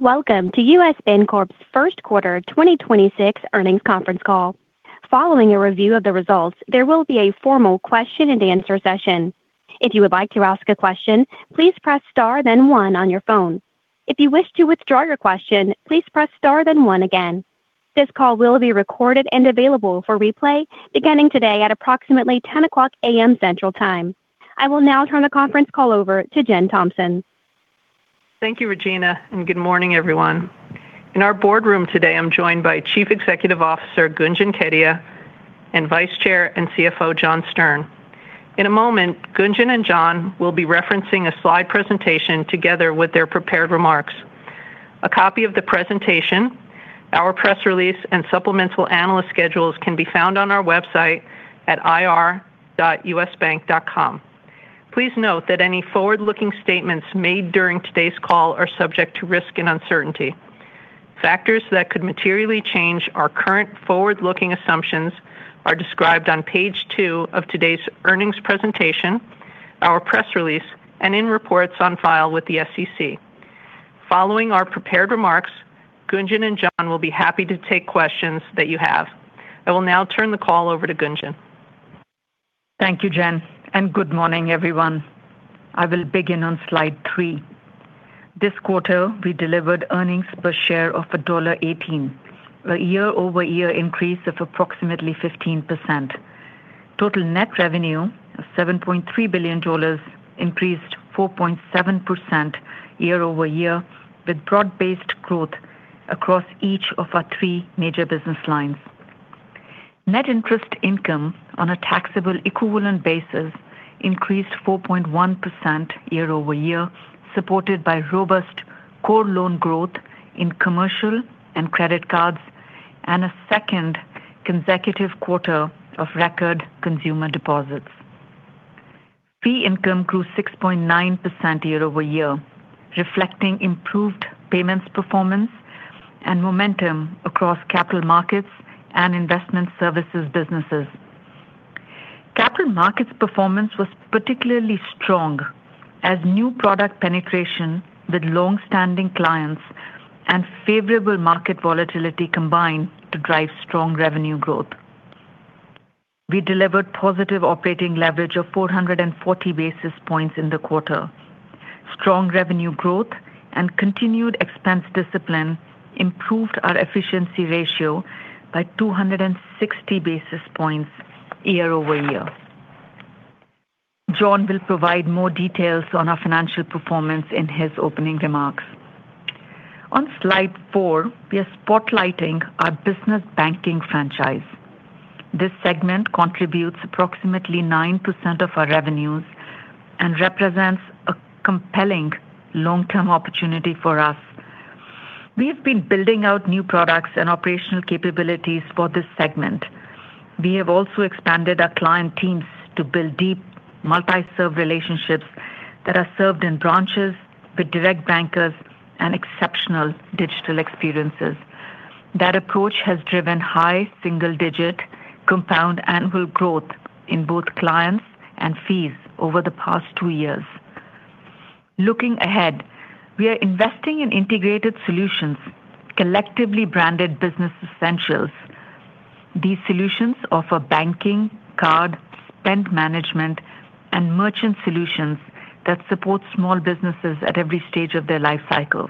Welcome to U.S. Bancorp's First Quarter 2026 Earnings Conference Call. Following a review of the results, there will be a formal question and answer session. If you would like to ask a question, please press star then one on your phone. If you wish to withdraw your question, please press star then one again. This call will be recorded and available for replay beginning today at approximately 10:00 A.M. Central Time. I will now turn the conference call over to Jennifer Thompson. Thank you, Regina, and good morning, everyone. In our boardroom today, I'm joined by Chief Executive Officer Gunjan Kedia and Vice Chair and CFO John Stern. In a moment, Gunjan and John will be referencing a slide presentation together with their prepared remarks. A copy of the presentation, our press release, and supplemental analyst schedules can be found on our website at ir.usbank.com. Please note that any forward-looking statements made during today's call are subject to risk and uncertainty. Factors that could materially change our current forward-looking assumptions are described on page two of today's earnings presentation, our press release, and in reports on file with the SEC. Following our prepared remarks, Gunjan and John will be happy to take questions that you have. I will now turn the call over to Gunjan. Thank you, Jen, and good morning, everyone. I will begin on slide three. This quarter, we delivered earnings per share of $1.18, a year-over-year increase of approximately 15%. Total net revenue of $7.3 billion increased 4.7% year-over-year, with broad-based growth across each of our three major business lines. Net interest income on a taxable equivalent basis increased 4.1% year-over-year, supported by robust core loan growth in commercial and credit cards, and a second consecutive quarter of record consumer deposits. Fee income grew 6.9% year-over-year, reflecting improved payments performance and momentum across capital markets and investment services businesses. Capital markets performance was particularly strong as new product penetration with long-standing clients and favorable market volatility combined to drive strong revenue growth. We delivered positive operating leverage of 440 basis points in the quarter. Strong revenue growth and continued expense discipline improved our efficiency ratio by 260 basis points year-over-year. John will provide more details on our financial performance in his opening remarks. On slide four, we are spotlighting our business banking franchise. This segment contributes approximately 9% of our revenues and represents a compelling long-term opportunity for us. We have been building out new products and operational capabilities for this segment. We have also expanded our client teams to build deep multi-serve relationships that are served in branches with direct bankers and exceptional digital experiences. That approach has driven high single-digit compound annual growth in both clients and fees over the past two years. Looking ahead, we are investing in integrated solutions collectively branded Business Essentials. These solutions offer banking, card, spend management, and merchant solutions that support small businesses at every stage of their life cycle.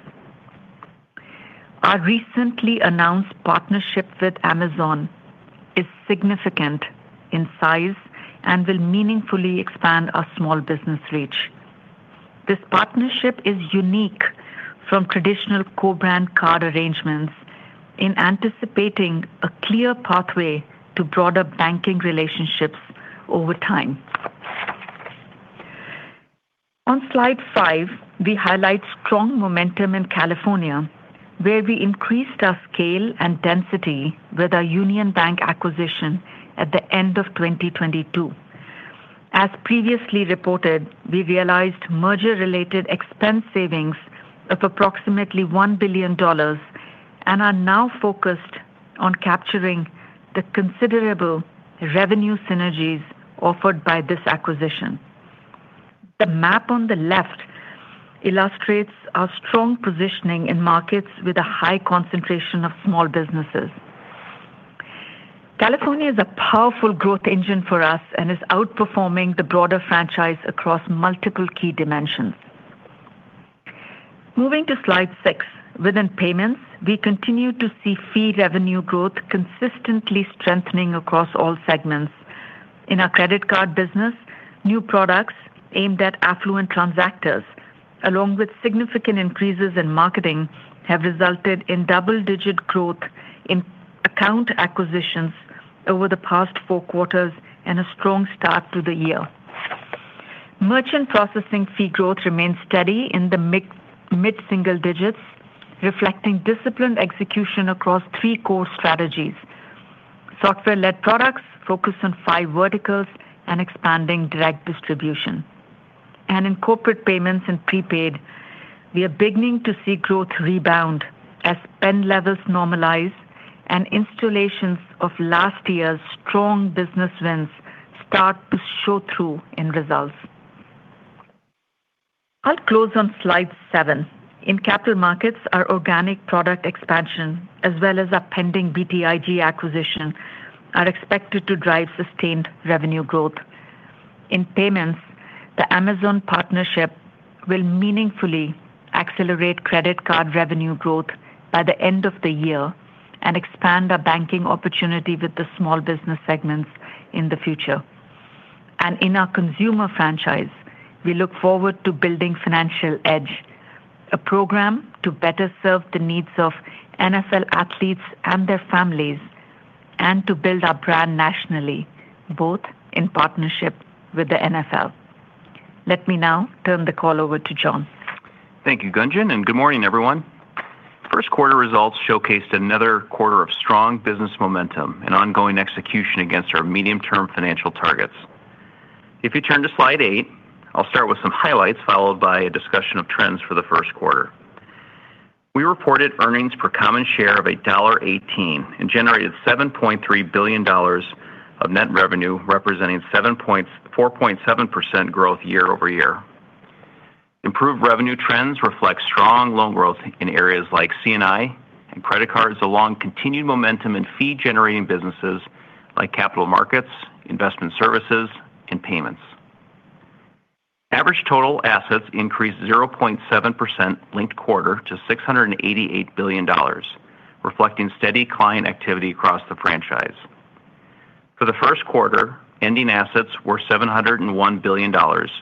Our recently announced partnership with Amazon is significant in size and will meaningfully expand our small business reach. This partnership is unique from traditional co-brand card arrangements in anticipating a clear pathway to broader banking relationships over time. On slide five, we highlight strong momentum in California, where we increased our scale and density with our Union Bank acquisition at the end of 2022. As previously reported, we realized merger-related expense savings of approximately $1 billion and are now focused on capturing the considerable revenue synergies offered by this acquisition. The map on the left illustrates our strong positioning in markets with a high concentration of small businesses. California is a powerful growth engine for us and is outperforming the broader franchise across multiple key dimensions. Moving to slide six. Within payments, we continue to see fee revenue growth consistently strengthening across all segments. In our credit card business, new products aimed at affluent transactors, along with significant increases in marketing, have resulted in double-digit growth in account acquisitions over the past four quarters and a strong start to the year. Merchant processing fee growth remains steady in the mid-single digits, reflecting disciplined execution across three core strategies, software-led products, focus on five verticals, and expanding direct distribution. In corporate payments and prepaid, we are beginning to see growth rebound as spend levels normalize and installations of last year's strong business wins start to show through in results. I'll close on slide seven. In capital markets, our organic product expansion, as well as our pending BTIG acquisition, are expected to drive sustained revenue growth. In payments, the Amazon partnership will meaningfully accelerate credit card revenue growth by the end of the year and expand our banking opportunity with the small business segments in the future. In our consumer franchise, we look forward to building Financial Edge, a program to better serve the needs of NFL athletes and their families, and to build our brand nationally, both in partnership with the NFL. Let me now turn the call over to John. Thank you, Gunjan, and good morning, everyone. First quarter results showcased another quarter of strong business momentum and ongoing execution against our medium-term financial targets. If you turn to slide eight, I'll start with some highlights, followed by a discussion of trends for the first quarter. We reported earnings per common share of $1.18 and generated $7.3 billion of net revenue, representing 4.7% growth year-over-year. Improved revenue trends reflect strong loan growth in areas like C&I and credit cards, along continued momentum in fee-generating businesses like capital markets, investment services, and payments. Average total assets increased 0.7% linked quarter to $688 billion, reflecting steady client activity across the franchise. For the first quarter, ending assets were $701 billion. As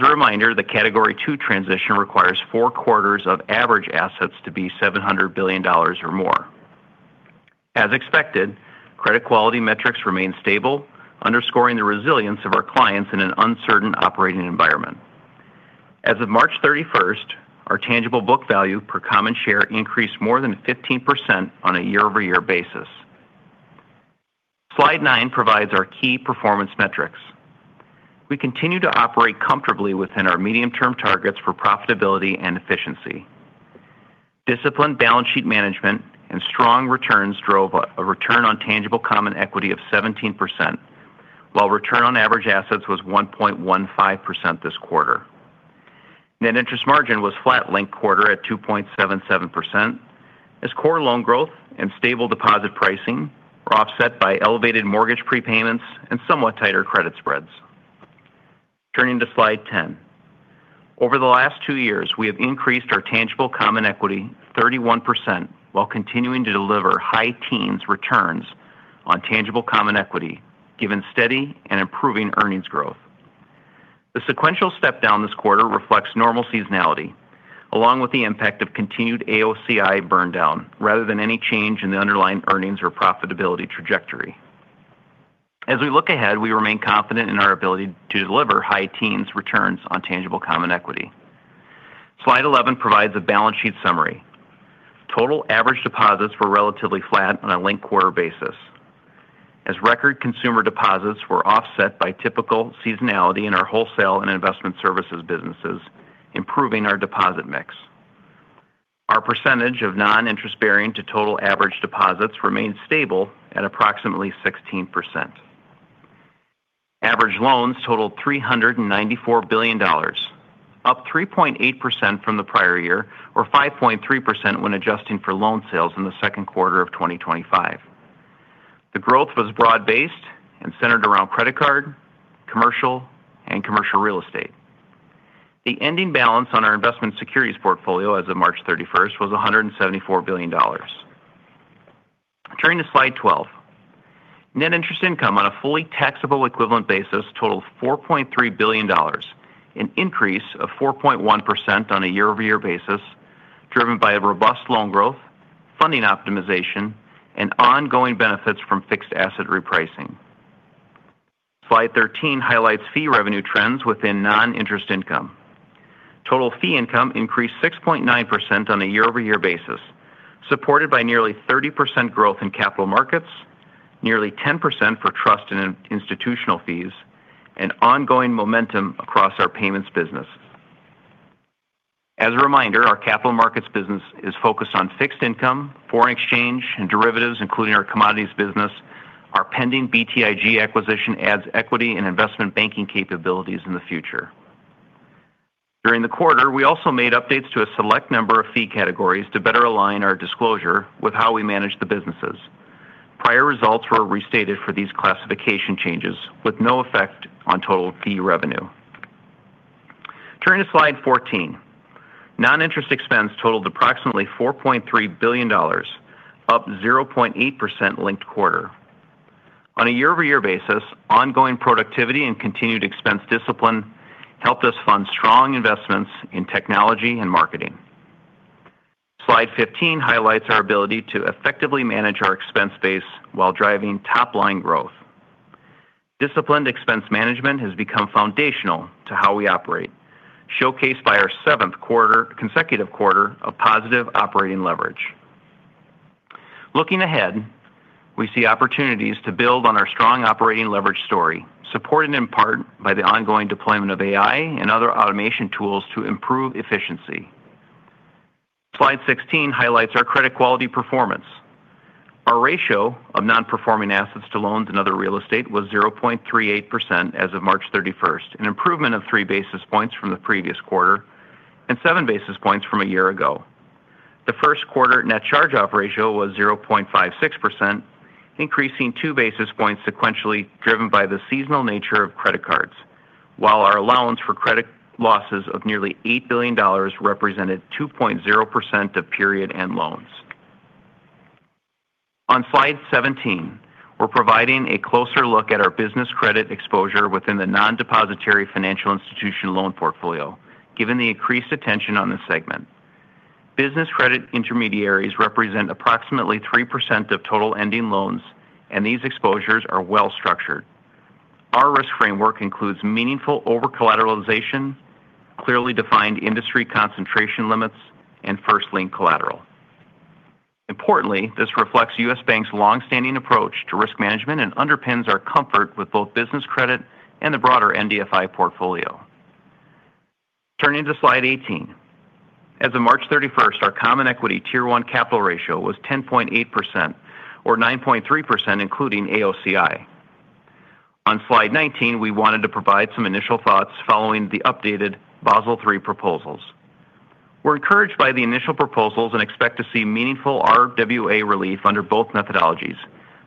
a reminder, the Category II transition requires four quarters of average assets to be $700 billion or more. As expected, credit quality metrics remained stable, underscoring the resilience of our clients in an uncertain operating environment. As of March 31st, our tangible book value per common share increased more than 15% on a year-over-year basis. Slide nine provides our key performance metrics. We continue to operate comfortably within our medium-term targets for profitability and efficiency. Disciplined balance sheet management and strong returns drove a return on tangible common equity of 17%, while return on average assets was 1.15% this quarter. Net interest margin was flat linked-quarter at 2.77%, as core loan growth and stable deposit pricing were offset by elevated mortgage prepayments and somewhat tighter credit spreads. Turning to Slide 10. Over the last two years, we have increased our tangible common equity 31%, while continuing to deliver high-teens returns on tangible common equity, given steady and improving earnings growth. The sequential step down this quarter reflects normal seasonality, along with the impact of continued AOCI burn down rather than any change in the underlying earnings or profitability trajectory. As we look ahead, we remain confident in our ability to deliver high teens returns on tangible common equity. Slide 11 provides a balance sheet summary. Total average deposits were relatively flat on a linked-quarter basis, as record consumer deposits were offset by typical seasonality in our wholesale and investment services businesses, improving our deposit mix. Our percentage of non-interest-bearing to total average deposits remained stable at approximately 16%. Average loans totaled $394 billion, up 3.8% from the prior year or 5.3% when adjusting for loan sales in the second quarter of 2025. The growth was broad-based and centered around credit card, commercial, and commercial real estate. The ending balance on our investment securities portfolio as of March 31st was $174 billion. Turning to slide 12. Net interest income on a fully taxable equivalent basis totaled $4.3 billion, an increase of 4.1% on a year-over-year basis, driven by a robust loan growth, funding optimization, and ongoing benefits from fixed asset repricing. Slide 13 highlights fee revenue trends within non-interest income. Total fee income increased 6.9% on a year-over-year basis, supported by nearly 30% growth in capital markets, nearly 10% for trust and institutional fees, and ongoing momentum across our payments business. As a reminder, our capital markets business is focused on fixed income, foreign exchange, and derivatives, including our commodities business. Our pending BTIG acquisition adds equity and investment banking capabilities in the future. During the quarter, we also made updates to a select number of fee categories to better align our disclosure with how we manage the businesses. Prior results were restated for these classification changes with no effect on total fee revenue. Turning to slide 14. Non-interest expense totaled approximately $4.3 billion, up 0.8% linked-quarter. On a year-over-year basis, ongoing productivity and continued expense discipline helped us fund strong investments in technology and marketing. Slide 15 highlights our ability to effectively manage our expense base while driving top-line growth. Disciplined expense management has become foundational to how we operate, showcased by our seventh consecutive quarter of positive operating leverage. Looking ahead, we see opportunities to build on our strong operating leverage story, supported in part by the ongoing deployment of AI and other automation tools to improve efficiency. Slide 16 highlights our credit quality performance. Our ratio of non-performing assets to loans and other real estate was 0.38% as of March 31st, an improvement of three basis points from the previous quarter, and seven basis points from a year ago. The first quarter net charge-off ratio was 0.56%, increasing two basis points sequentially, driven by the seasonal nature of credit cards, while our allowance for credit losses of nearly $8 billion represented 2.0% of period-end loans. On slide 17, we're providing a closer look at our business credit exposure within the non-depository financial institution loan portfolio, given the increased attention on this segment. Business credit intermediaries represent approximately 3% of total ending loans, and these exposures are well structured. Our risk framework includes meaningful over-collateralization, clearly defined industry concentration limits, and first lien collateral. Importantly, this reflects U.S. Bank's long-standing approach to risk management and underpins our comfort with both business credit and the broader NDFI portfolio. Turning to slide 18. As of March 31st, our Common Equity Tier 1 capital ratio was 10.8%, or 9.3% including AOCI. On slide 19, we wanted to provide some initial thoughts following the updated Basel III proposals. We're encouraged by the initial proposals and expect to see meaningful RWA relief under both methodologies,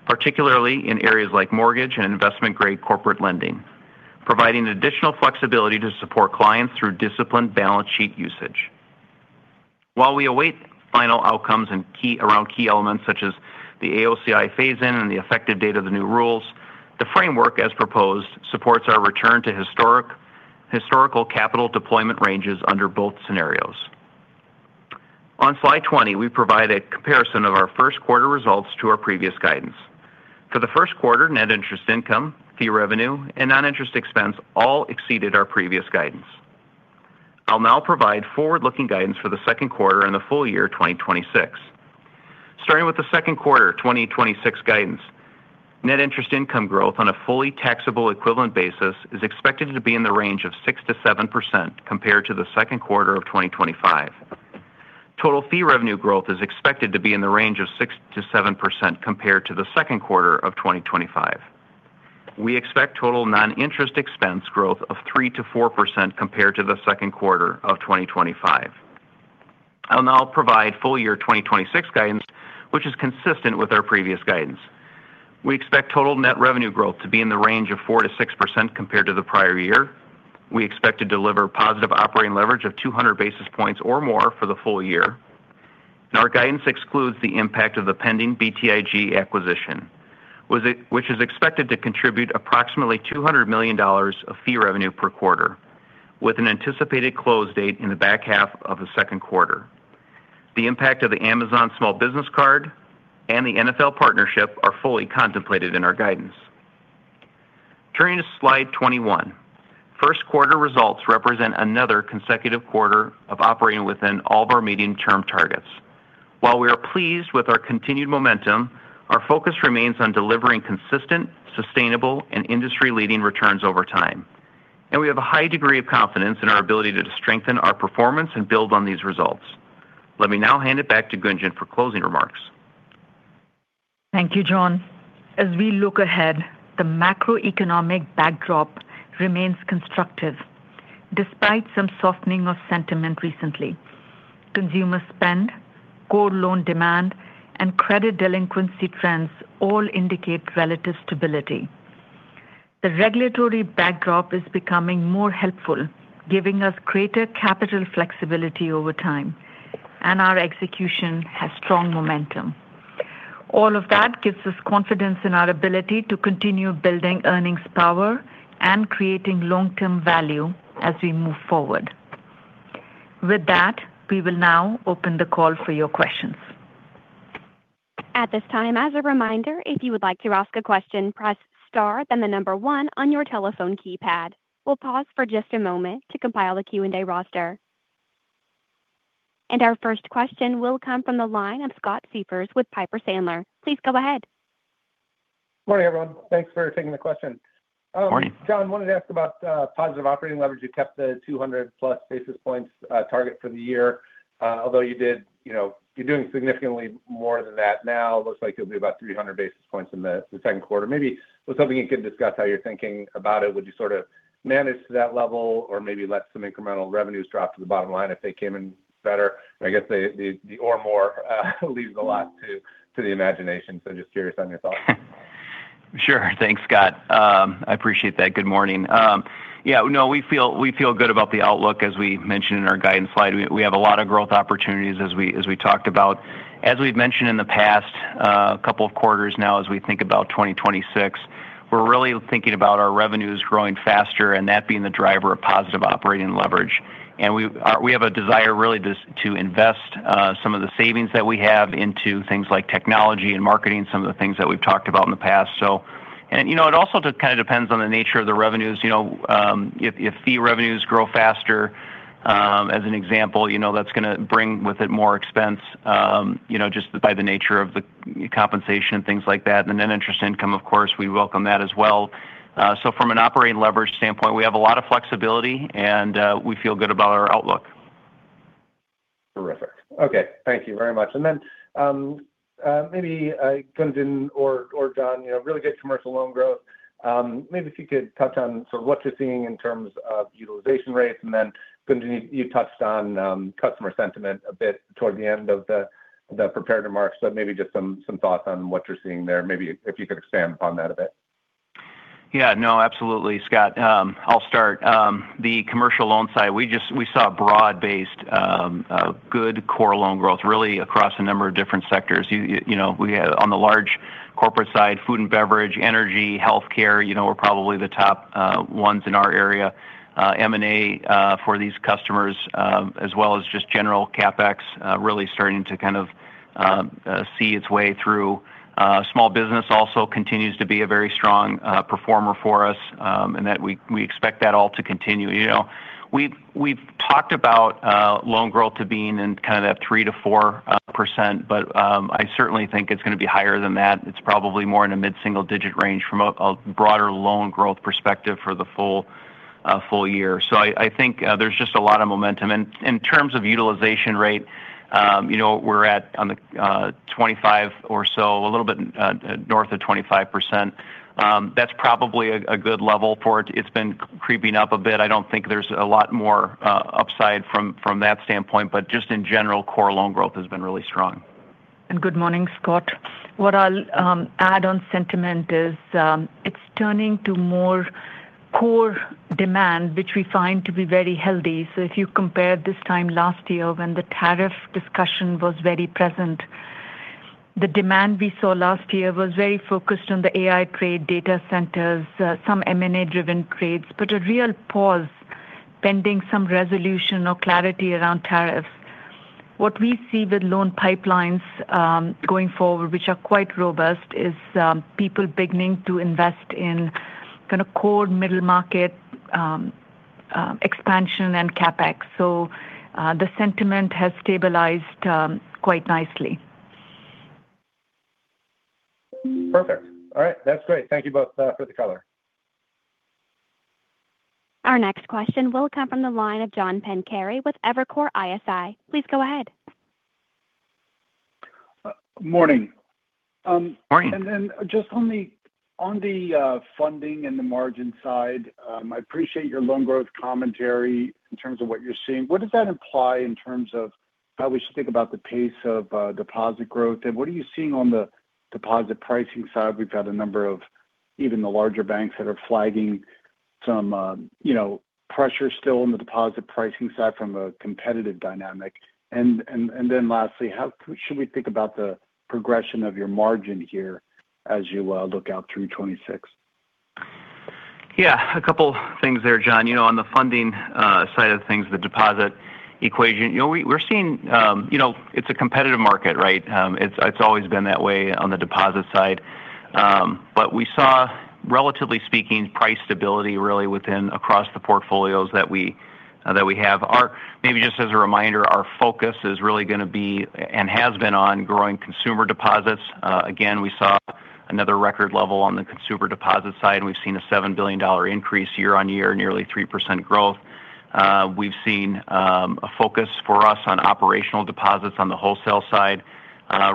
particularly in areas like mortgage and investment-grade corporate lending, providing additional flexibility to support clients through disciplined balance sheet usage. While we await final outcomes around key elements such as the AOCI phase-in and the effective date of the new rules, the framework as proposed supports our return to historical capital deployment ranges under both scenarios. On slide 20, we provide a comparison of our first quarter results to our previous guidance. For the first quarter, net interest income, fee revenue, and non-interest expense all exceeded our previous guidance. I'll now provide forward-looking guidance for the second quarter and the full year 2026. Starting with the second quarter 2026 guidance, net interest income growth on a fully taxable equivalent basis is expected to be in the range of 6%-7% compared to the second quarter of 2025. Total fee revenue growth is expected to be in the range of 6%-7% compared to the second quarter of 2025. We expect total non-interest expense growth of 3%-4% compared to the second quarter of 2025. I'll now provide full year 2026 guidance, which is consistent with our previous guidance. We expect total net revenue growth to be in the range of 4%-6% compared to the prior year. We expect to deliver positive operating leverage of 200 basis points or more for the full year. Our guidance excludes the impact of the pending BTIG acquisition, which is expected to contribute approximately $200 million of fee revenue per quarter, with an anticipated close date in the back half of the second quarter. The impact of the Amazon Small Business Card and the NFL partnership are fully contemplated in our guidance. Turning to slide 21. First quarter results represent another consecutive quarter of operating within all of our medium-term targets. While we are pleased with our continued momentum, our focus remains on delivering consistent, sustainable, and industry-leading returns over time. We have a high degree of confidence in our ability to strengthen our performance and build on these results. Let me now hand it back to Gunjan for closing remarks. Thank you, John. As we look ahead, the macroeconomic backdrop remains constructive despite some softening of sentiment recently. Consumer spend, core loan demand, and credit delinquency trends all indicate relative stability. The regulatory backdrop is becoming more helpful, giving us greater capital flexibility over time, and our execution has strong momentum. All of that gives us confidence in our ability to continue building earnings power and creating long-term value as we move forward. With that, we will now open the call for your questions. At this time, as a reminder, if you would like to ask a question, press star, then 1 on your telephone keypad. We'll pause for just a moment to compile the Q&A roster. Our first question will come from the line of Scott Siefers with Piper Sandler. Please go ahead. Morning, everyone. Thanks for taking the question. Morning. John, wanted to ask about positive operating leverage. You kept the 200+ basis points target for the year, although you're doing significantly more than that now. Looks like it'll be about 300 basis points in the second quarter. Maybe it was something you could discuss how you're thinking about it. Would you sort of manage to that level or maybe let some incremental revenues drop to the bottom line if they came in better? I guess the "or more" leaves a lot to the imagination. Just curious on your thoughts. Sure. Thanks, Scott. I appreciate that. Good morning. No, we feel good about the outlook, as we mentioned in our guidance slide. We have a lot of growth opportunities as we talked about. As we've mentioned in the past couple of quarters now, as we think about 2026, we're really thinking about our revenues growing faster, and that being the driver of positive operating leverage. We have a desire really to invest some of the savings that we have into things like technology and marketing, some of the things that we've talked about in the past. It also kind of depends on the nature of the revenues. If fee revenues grow faster, as an example, that's going to bring with it more expense just by the nature of the compensation and things like that. The net interest income, of course, we welcome that as well. From an operating leverage standpoint, we have a lot of flexibility and we feel good about our outlook. Terrific. Okay. Thank you very much. Maybe Gunjan or John, really good commercial loan growth. Maybe if you could touch on sort of what you're seeing in terms of utilization rates, and then Gunjan, you touched on customer sentiment a bit toward the end of the prepared remarks, but maybe just some thoughts on what you're seeing there. Maybe if you could expand upon that a bit. Yeah. No, absolutely, Scott. I'll start. The commercial loan side, we saw broad-based, good core loan growth really across a number of different sectors. On the large corporate side, food and beverage, energy, healthcare, were probably the top ones in our area. M&A for these customers as well as just general CapEx really starting to kind of see its way through. Small business also continues to be a very strong performer for us, and that we expect that all to continue. We've talked about loan growth to being in kind of that 3%-4%, but I certainly think it's going to be higher than that. It's probably more in a mid-single-digit range from a broader loan growth perspective for the full year. I think there's just a lot of momentum. In terms of utilization rate, we're at on the 25% or so, a little bit north of 25%. That's probably a good level for it. It's been creeping up a bit. I don't think there's a lot more upside from that standpoint, but just in general, core loan growth has been really strong. Good morning, Scott. What I'll add on sentiment is it's turning to more core demand which we find to be very healthy. If you compare this time last year when the tariff discussion was very present, the demand we saw last year was very focused on the AI trade data centers, some M&A driven trades. A real pause pending some resolution or clarity around tariffs. What we see with loan pipelines going forward, which are quite robust, is people beginning to invest in kind of core middle market expansion and CapEx. The sentiment has stabilized quite nicely. Perfect. All right. That's great. Thank you both for the color. Our next question will come from the line of John Pancari with Evercore ISI. Please go ahead. Morning. Morning. Just on the funding and the margin side. I appreciate your loan growth commentary in terms of what you're seeing. What does that imply in terms of how we should think about the pace of deposit growth? What are you seeing on the deposit pricing side? We've got a number of even the larger banks that are flagging some pressure still in the deposit pricing side from a competitive dynamic. Lastly, how should we think about the progression of your margin here as you look out through 2026? Yeah. A couple things there, John. On the funding side of things, the deposit equation. We're seeing it's a competitive market, right? It's always been that way on the deposit side. But we saw, relatively speaking, price stability really within and across the portfolios that we have. Maybe just as a reminder, our focus is really going to be, and has been on growing consumer deposits. Again, we saw another record level on the consumer deposit side, and we've seen a $7 billion increase year-over-year, nearly 3% growth. We've seen a focus for us on operational deposits on the wholesale side.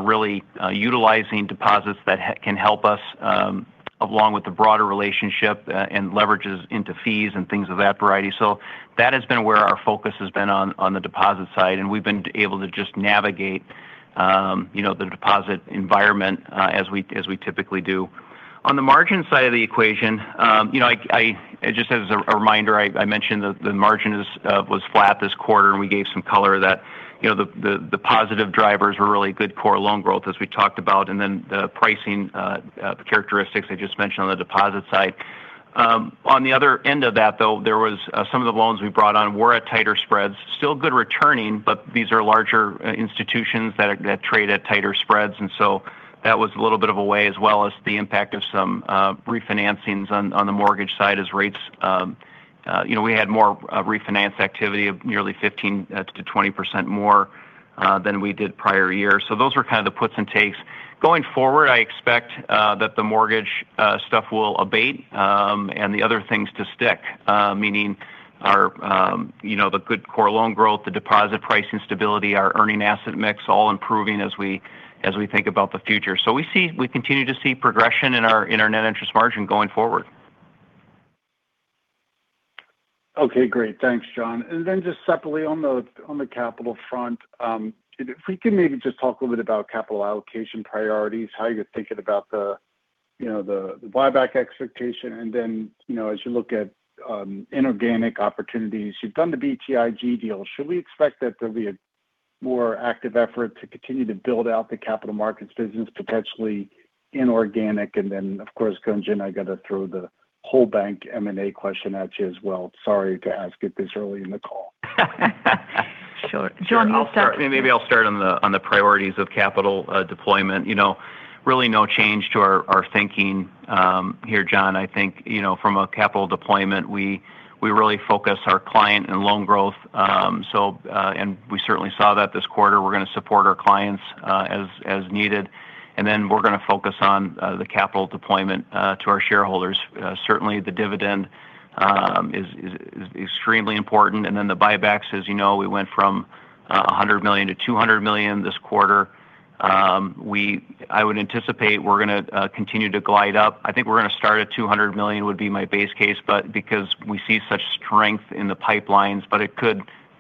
Really utilizing deposits that can help us along with the broader relationship and leverages into fees and things of that variety. That has been where our focus has been on the deposit side, and we've been able to just navigate the deposit environment as we typically do. On the margin side of the equation, just as a reminder, I mentioned the margin was flat this quarter, and we gave some color that the positive drivers were really good core loan growth as we talked about, and then the pricing characteristics I just mentioned on the deposit side. On the other end of that, though, there was some of the loans we brought on were at tighter spreads. Still good returning, but these are larger institutions that trade at tighter spreads. And so that was a little bit of a drag as well as the impact of some refinancings on the mortgage side. We had more refinance activity of nearly 15%-20% more than we did prior year. Those were kind of the puts and takes. Going forward, I expect that the mortgage stuff will abate, and the other things to stick. Meaning the good core loan growth, the deposit pricing stability, our earning asset mix, all improving as we think about the future. We continue to see progression in our net interest margin going forward. Okay. Great. Thanks, John. Just separately on the capital front. If we could maybe just talk a little bit about capital allocation priorities, how you're thinking about the buyback expectation, and then as you look at inorganic opportunities. You've done the BTIG deal. Should we expect that there'll be a more active effort to continue to build out the capital markets business, potentially inorganic? Of course, Gunjan, I got to throw the whole bank M&A question at you as well. Sorry to ask it this early in the call. Sure. John. Maybe I'll start on the priorities of capital deployment. Really no change to our thinking here, John. I think from a capital deployment, we really focus our client and loan growth. We certainly saw that this quarter. We're going to support our clients as needed. We're going to focus on the capital deployment to our shareholders. Certainly the dividend is extremely important. The buybacks, as you know, we went from $100 million-$200 million this quarter. I would anticipate we're going to continue to glide up. I think we're going to start at $200 million would be my base case, but because we see such strength in the pipelines, but it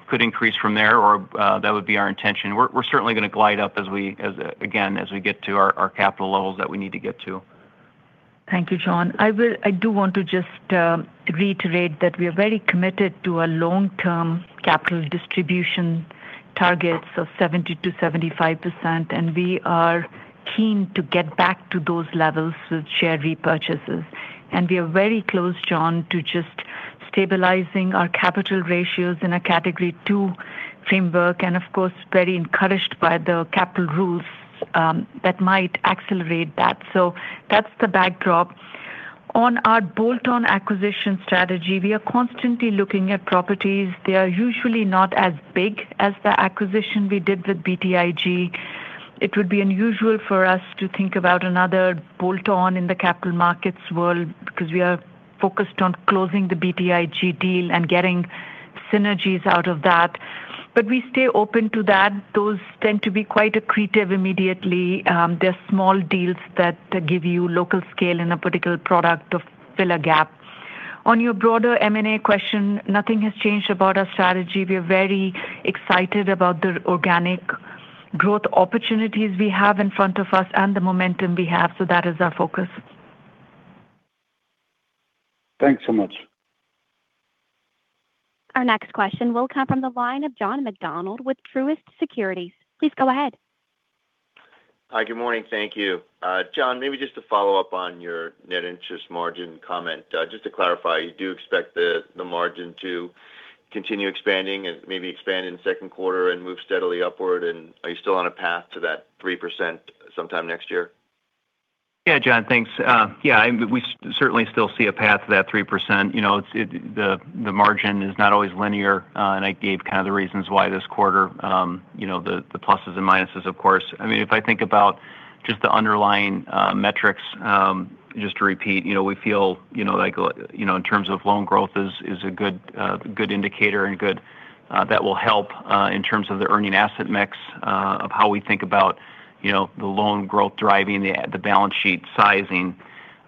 could increase from there, or that would be our intention. We're certainly going to glide up as we get to our capital levels that we need to get to. Thank you, John. I do want to just reiterate that we are very committed to a long-term capital distribution targets of 70%-75%, and we are keen to get back to those levels with share repurchases. We are very close, John, to just stabilizing our capital ratios in a Category II framework, and of course, very encouraged by the capital rules that might accelerate that. That's the backdrop. On our bolt-on acquisition strategy, we are constantly looking at properties. They are usually not as big as the acquisition we did with BTIG. It would be unusual for us to think about another bolt-on in the capital markets world because we are focused on closing the BTIG deal and getting synergies out of that. We stay open to that. Those tend to be quite accretive immediately. They're small deals that give you local scale in a particular product to fill a gap. On your broader M&A question, nothing has changed about our strategy. We are very excited about the organic growth opportunities we have in front of us and the momentum we have. That is our focus. Thanks so much. Our next question will come from the line of John McDonald with Truist Securities. Please go ahead. Hi, good morning. Thank you. John, maybe just to follow up on your net interest margin comment. Just to clarify, you do expect the margin to continue expanding and maybe expand in the second quarter and move steadily upward, and are you still on a path to that 3% sometime next year? Yeah. John, thanks. Yeah, we certainly still see a path to that 3%. The margin is not always linear. I gave kind of the reasons why this quarter, the pluses and minuses, of course. I mean, if I think about just the underlying metrics, just to repeat, we feel like in terms of loan growth is a good indicator that will help in terms of the earning asset mix of how we think about the loan growth driving the balance sheet sizing.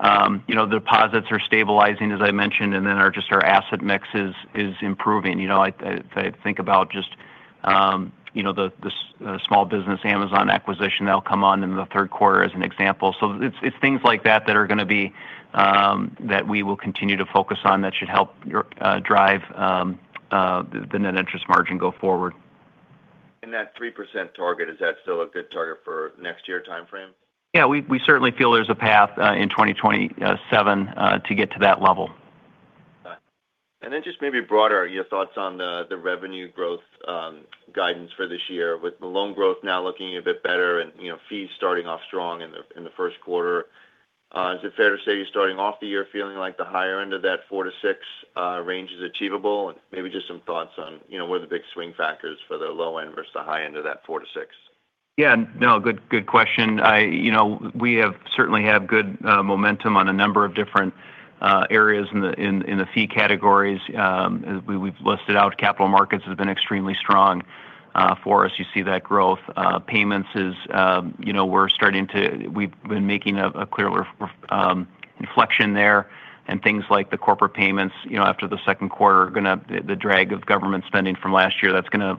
Deposits are stabilizing, as I mentioned, and then our asset mix is improving. If I think about just the small business Amazon acquisition that'll come on in the third quarter as an example. It's things like that that we will continue to focus on that should help drive the net interest margin go forward. That 3% target, is that still a good target for next year timeframe? Yeah. We certainly feel there's a path in 2027 to get to that level. Got it. Just maybe broader, your thoughts on the revenue growth guidance for this year. With the loan growth now looking a bit better and fees starting off strong in the first quarter, is it fair to say you're starting off the year feeling like the higher end of that 4%-6% range is achievable? Maybe just some thoughts on what are the big swing factors for the low end versus the high end of that 4%-6%? Yeah. No, good question. We certainly have good momentum on a number of different areas in the fee categories. As we've listed out, capital markets has been extremely strong for us. You see that growth. Payments, we've been making a clear inflection there and things like the corporate payments after the second quarter, the drag of government spending from last year, that's going to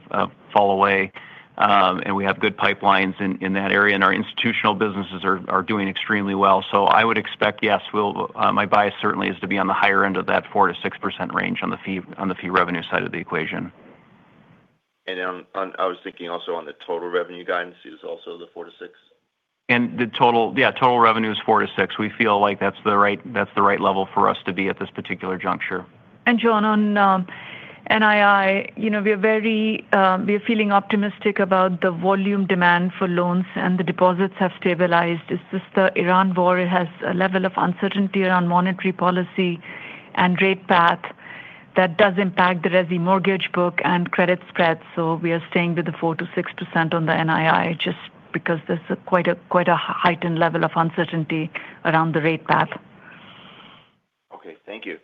fall away. We have good pipelines in that area, and our institutional businesses are doing extremely well. I would expect, yes, my bias certainly is to be on the higher end of that 4%-6% range on the fee revenue side of the equation. I was thinking also on the total revenue guidance, is it also the 4%-6%? Yeah, total revenue is $4-$6. We feel like that's the right level for us to be at this particular juncture. John, on NII, we are feeling optimistic about the volume demand for loans and the deposits have stabilized. It's just the Iran war has a level of uncertainty around monetary policy and rate path that does impact the resi mortgage book and credit spreads. We are staying with the 4%-6% on the NII just because there's quite a heightened level of uncertainty around the rate path. Okay. Thank you.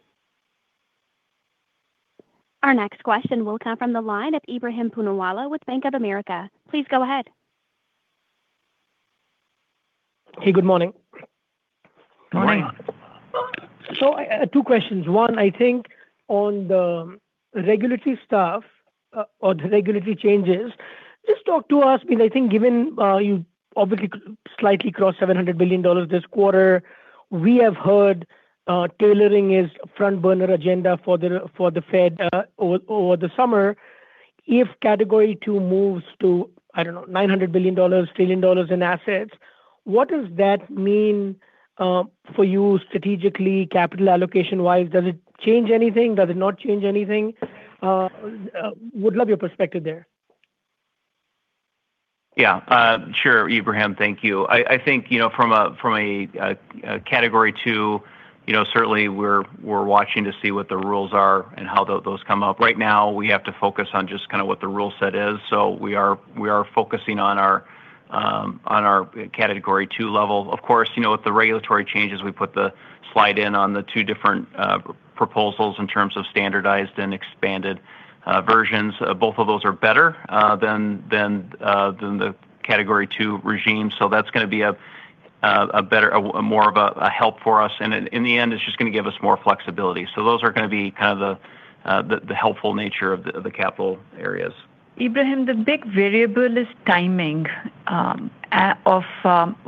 Our next question will come from the line of Ebrahim Poonawala with Bank of America. Please go ahead. Hey, good morning. Good morning. Morning. I had two questions. One, I think on the regulatory stuff or the regulatory changes, just talk to us because I think given you obviously slightly crossed $700 billion this quarter. We have heard tailoring is front-burner agenda for the Fed over the summer. If Category II moves to, I don't know, $900 billion, $1 trillion in assets, what does that mean for you strategically, capital allocation-wise? Does it change anything? Does it not change anything? Would love your perspective there. Yeah. Sure, Ebrahim, thank you. I think from a Category II, certainly we're watching to see what the rules are and how those come up. Right now we have to focus on just kind of what the rule set is. We are focusing on our Category II level. Of course, with the regulatory changes, we put the slide in on the two different proposals in terms of standardized and expanded versions. Both of those are better than the Category II regime. That's going to be more of a help for us, and in the end, it's just going to give us more flexibility. Those are going to be kind of the helpful nature of the capital areas. Ebrahim, the big variable is timing of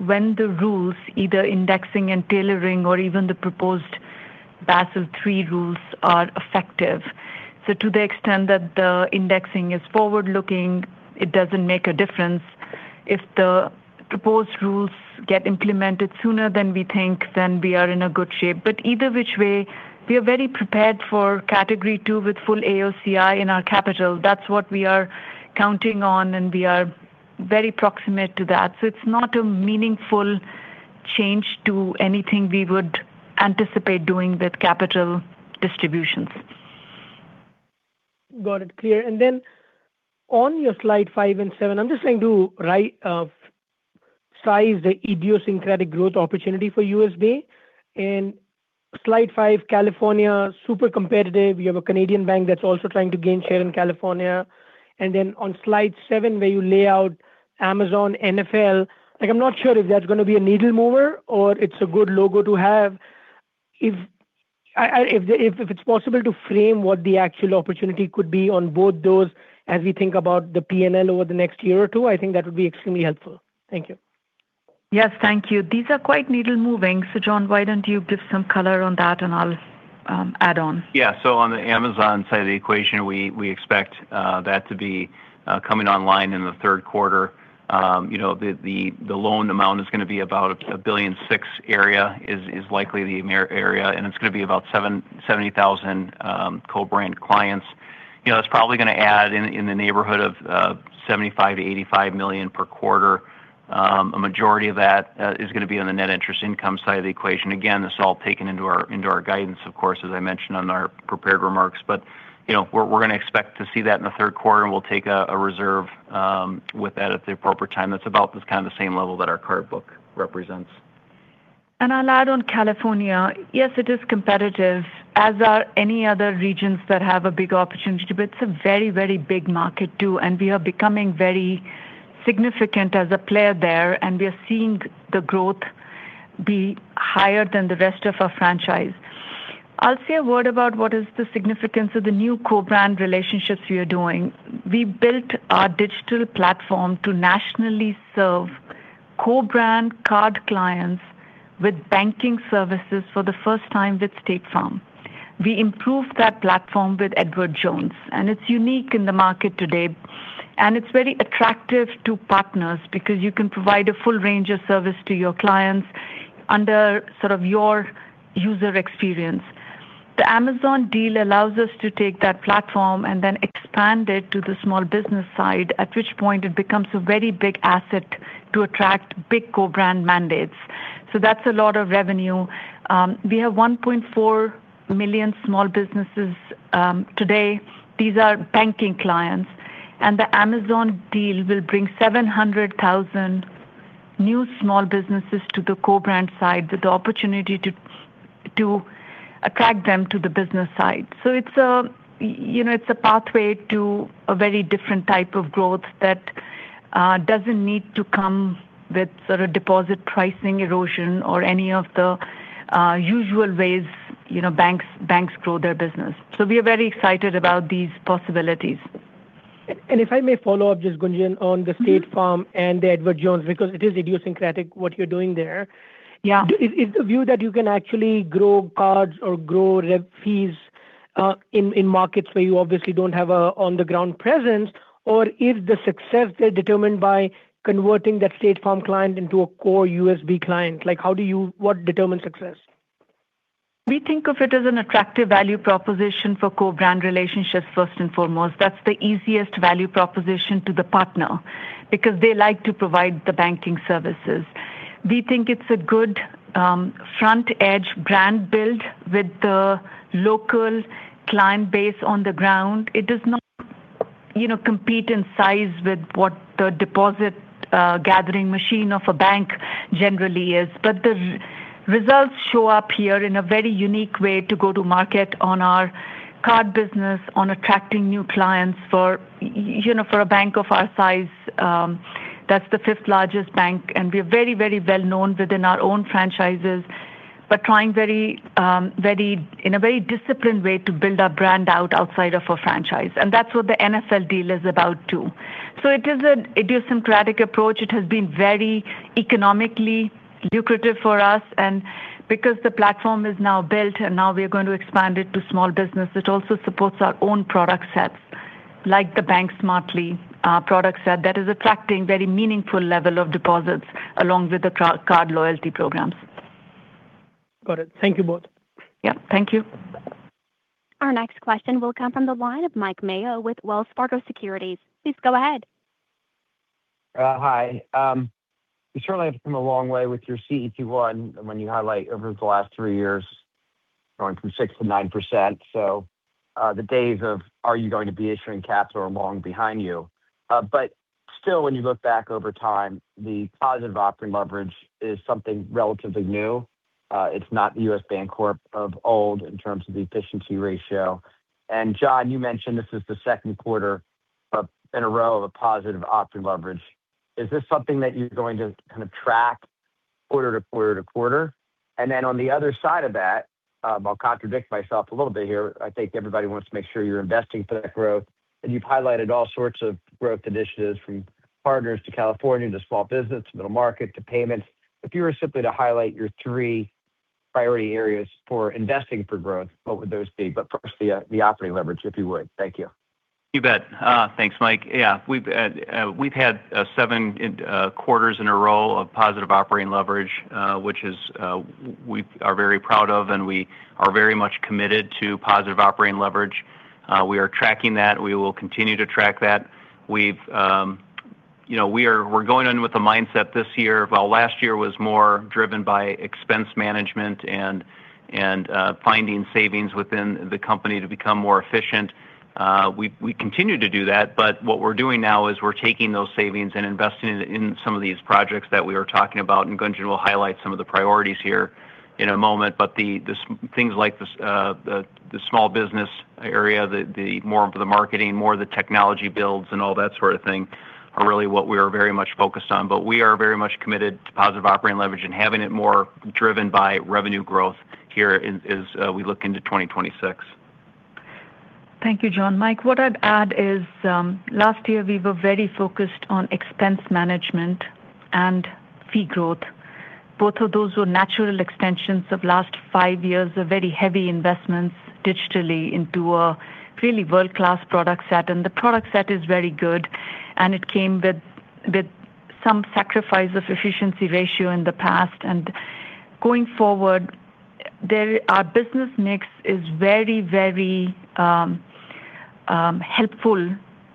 when the rules, either indexing and tailoring or even the proposed Basel III rules are effective. To the extent that the indexing is forward-looking, it doesn't make a difference. If the proposed rules get implemented sooner than we think, then we are in a good shape. Either which way, we are very prepared for Category II with full AOCI in our capital. That's what we are counting on, and we are very proximate to that. It's not a meaningful change to anything we would anticipate doing with capital distributions. Got it. Clear. Then on your slide five and seven, I'm just trying to size the idiosyncratic growth opportunity for USB. In slide five, California, super competitive. You have a Canadian bank that's also trying to gain share in California. Then on slide seven, where you lay out Amazon, NFL, I'm not sure if that's going to be a needle mover or it's a good logo to have. If it's possible to frame what the actual opportunity could be on both those as we think about the P&L over the next year or two, I think that would be extremely helpful. Thank you. Yes. Thank you. These are quite needle-moving. John, why don't you give some color on that and I'll add on. Yeah. On the Amazon side of the equation, we expect that to be coming online in the third quarter. The loan amount is going to be about a $1.6 billion area, and it's going to be about 70,000 co-brand clients. It's probably going to add in the neighborhood of $75 million-$85 million per quarter. A majority of that is going to be on the net interest income side of the equation. Again, this is all taken into our guidance, of course, as I mentioned on our prepared remarks. We're going to expect to see that in the third quarter, and we'll take a reserve with that at the appropriate time. That's about the same level that our card book represents. I'll add on California. Yes, it is competitive, as are any other regions that have a big opportunity. It's a very big market too, and we are becoming very significant as a player there, and we are seeing the growth be higher than the rest of our franchise. I'll say a word about what is the significance of the new co-brand relationships we are doing. We built our digital platform to nationally serve co-brand card clients with banking services for the first time with State Farm. We improved that platform with Edward Jones, and it's unique in the market today. It's very attractive to partners because you can provide a full range of service to your clients under sort of your user experience. The Amazon deal allows us to take that platform and then expand it to the small business side, at which point it becomes a very big asset to attract big co-brand mandates. That's a lot of revenue. We have one point four million small businesses today. These are banking clients. The Amazon deal will bring 700,000 new small businesses to the co-brand side with the opportunity to attract them to the business side. It's a pathway to a very different type of growth that doesn't need to come with sort of deposit pricing erosion or any of the usual ways banks grow their business. We are very excited about these possibilities. If I may follow up just, Gunjan. Mm-hmm on the State Farm and the Edward Jones, because it is idiosyncratic what you're doing there. Yeah. Is the view that you can actually grow cards or grow rev fees in markets where you obviously don't have a on the ground presence or is the success there determined by converting that State Farm client into a core U.S. Bank client? What determines success? We think of it as an attractive value proposition for co-brand relationships first and foremost. That's the easiest value proposition to the partner because they like to provide the banking services. We think it's a good front edge brand build with the local client base on the ground. It does not compete in size with what the deposit gathering machine of a bank generally is. The results show up here in a very unique way to go to market on our card business, on attracting new clients. For a bank of our size, that's the fifth largest bank, and we're very well known within our own franchises, but trying in a very disciplined way to build our brand out outside of our franchise. That's what the NFL deal is about too. It is an idiosyncratic approach. It has been very economically lucrative for us. Because the platform is now built and now we are going to expand it to small business, it also supports our own product sets, like the U.S. Bank Smartly product set that is attracting very meaningful level of deposits along with the card loyalty programs. Got it. Thank you both. Yep. Thank you. Our next question will come from the line of Mike Mayo with Wells Fargo Securities. Please go ahead. Hi. You certainly have come a long way with your CET1 when you highlight over the last three years. Going from 6%-9%. The days of "are you going to be issuing caps?" are long behind you. Still, when you look back over time, the positive operating leverage is something relatively new. It's not U.S. Bancorp of old in terms of the efficiency ratio. John, you mentioned this is the second quarter in a row of a positive operating leverage. Is this something that you're going to kind of track quarter-to-quarter-to-quarter? Then on the other side of that, I'll contradict myself a little bit here. I think everybody wants to make sure you're investing for that growth, and you've highlighted all sorts of growth initiatives from partners to California to small business to middle market to payments. If you were simply to highlight your three priority areas for investing for growth, what would those be? First, the operating leverage, if you would. Thank you. You bet. Thanks, Mike. Yeah. We've had seven quarters in a row of positive operating leverage, which we are very proud of, and we are very much committed to positive operating leverage. We are tracking that. We will continue to track that. We're going in with the mindset this year of, while last year was more driven by expense management and finding savings within the company to become more efficient. We continue to do that, but what we're doing now is we're taking those savings and investing in some of these projects that we were talking about, and Gunjan will highlight some of the priorities here in a moment. The things like the small business area, the more of the marketing, more of the technology builds and all that sort of thing are really what we are very much focused on. We are very much committed to positive operating leverage and having it more driven by revenue growth here as we look into 2026. Thank you, John. Mike, what I'd add is last year we were very focused on expense management and fee growth. Both of those were natural extensions of last five years of very heavy investments digitally into a really world-class product set, and the product set is very good, and it came with some sacrifice of efficiency ratio in the past. Going forward, our business mix is very helpful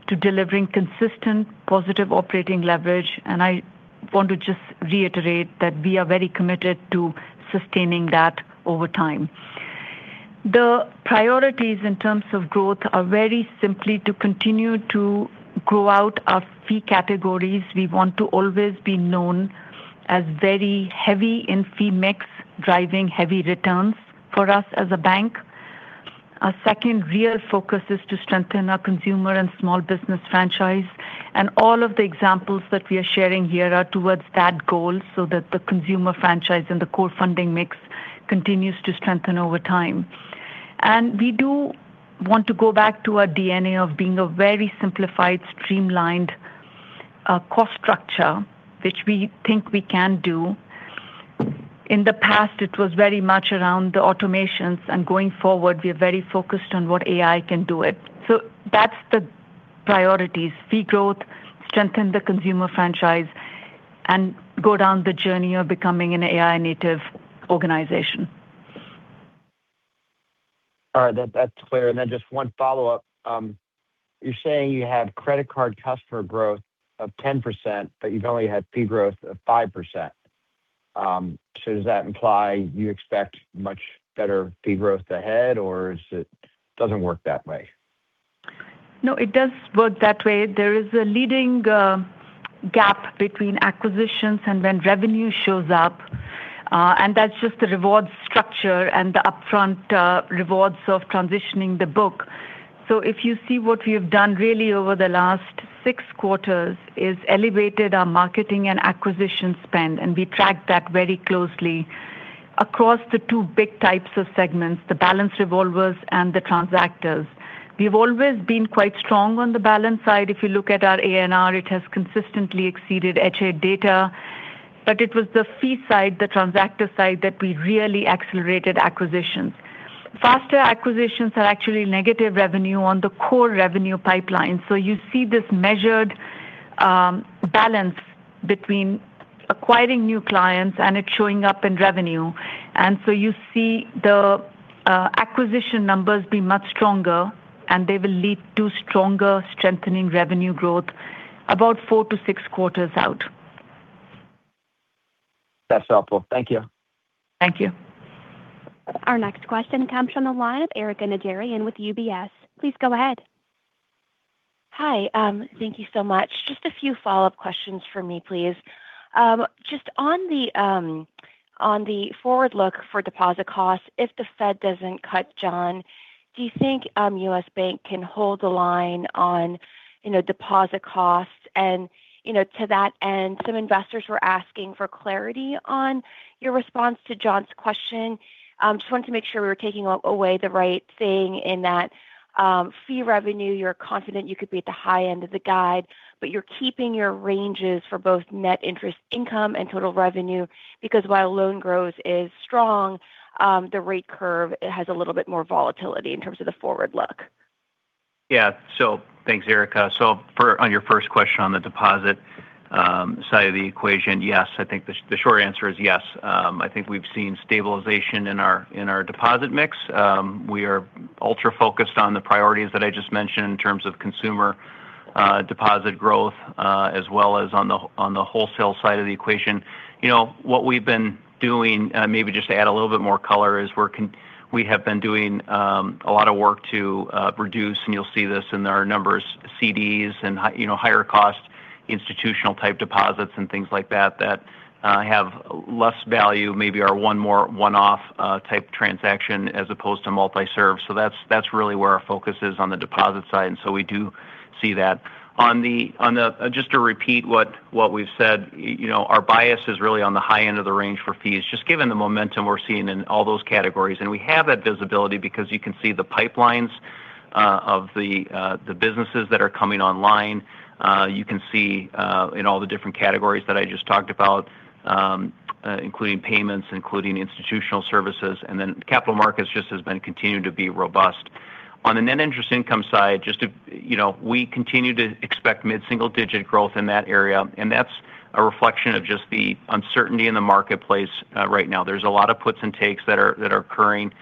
to delivering consistent positive operating leverage, and I want to just reiterate that we are very committed to sustaining that over time. The priorities in terms of growth are very simply to continue to grow out our fee categories. We want to always be known as very heavy in fee mix, driving heavy returns for us as a bank. Our second real focus is to strengthen our consumer and small business franchise. All of the examples that we are sharing here are towards that goal so that the consumer franchise and the core funding mix continues to strengthen over time. We do want to go back to our DNA of being a very simplified, streamlined cost structure, which we think we can do. In the past, it was very much around the automations, and going forward, we are very focused on what AI can do it. That's the priorities, fee growth, strengthen the consumer franchise, and go down the journey of becoming an AI native organization. All right. That's clear. Then just one follow-up. You're saying you have credit card customer growth of 10%, but you've only had fee growth of 5%. Does that imply you expect much better fee growth ahead, or it doesn't work that way? No, it does work that way. There is a leading gap between acquisitions and when revenue shows up, and that's just the reward structure and the upfront rewards of transitioning the book. If you see what we have done really over the last six quarters is elevated our marketing and acquisition spend, and we track that very closely across the two big types of segments, the balance revolvers and the transactors. We've always been quite strong on the balance side. If you look at our APR, it has consistently exceeded H.8 data. It was the fee side, the transactor side, that we really accelerated acquisitions. Faster acquisitions are actually negative revenue on the core revenue pipeline. You see this measured balance between acquiring new clients and it showing up in revenue. You see the acquisition numbers be much stronger, and they will lead to stronger strengthening revenue growth about four to six quarters out. That's helpful. Thank you. Thank you. Our next question comes from the line of Erika Najarian with UBS. Please go ahead. Hi. Thank you so much. Just a few follow-up questions for me, please. Just on the forward look for deposit costs, if the Fed doesn't cut, John, do you think U.S. Bank can hold the line on deposit costs? To that end, some investors were asking for clarity on your response to John's question. Just wanted to make sure we were taking away the right thing in that fee revenue, you're confident you could be at the high end of the guide, but you're keeping your ranges for both net interest income and total revenue because while loan growth is strong, the rate curve has a little bit more volatility in terms of the forward look. Yeah. Thanks, Erika. On your first question on the deposit side of the equation, yes, I think the short answer is yes. I think we've seen stabilization in our deposit mix. We are ultra focused on the priorities that I just mentioned in terms of consumer deposit growth as well as on the wholesale side of the equation. What we've been doing, maybe just to add a little bit more color, is we have been doing a lot of work to reduce, and you'll see this in our numbers, CDs and higher cost institutional type deposits and things like that have less value, maybe are one-off type transaction as opposed to multi-service. That's really where our focus is on the deposit side. We do see that. Just to repeat what we've said, our bias is really on the high-end of the range for fees, just given the momentum we're seeing in all those categories. We have that visibility because you can see the pipelines of the businesses that are coming online. You can see in all the different categories that I just talked about, including payments, including institutional services. Then capital markets just has been continuing to be robust. On the net interest income side, we continue to expect mid-single-digit growth in that area. That's a reflection of just the uncertainty in the marketplace right now. There's a lot of puts and takes that are occurring.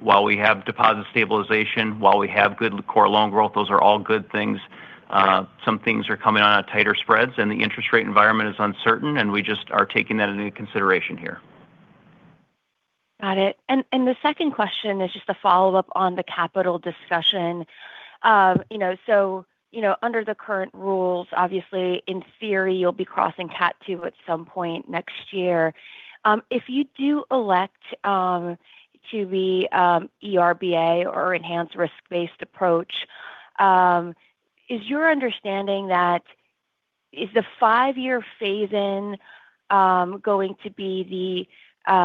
While we have deposit stabilization, while we have good core loan growth, those are all good things. Some things are coming on tighter spreads, and the interest rate environment is uncertain, and we just are taking that into consideration here. Got it. The second question is just a follow-up on the capital discussion. Under the current rules, obviously in theory, you'll be crossing CAT 2 at some point next year. If you do elect to be ERBA or enhanced risk-based approach, is your understanding that is the five-year phase-in going to be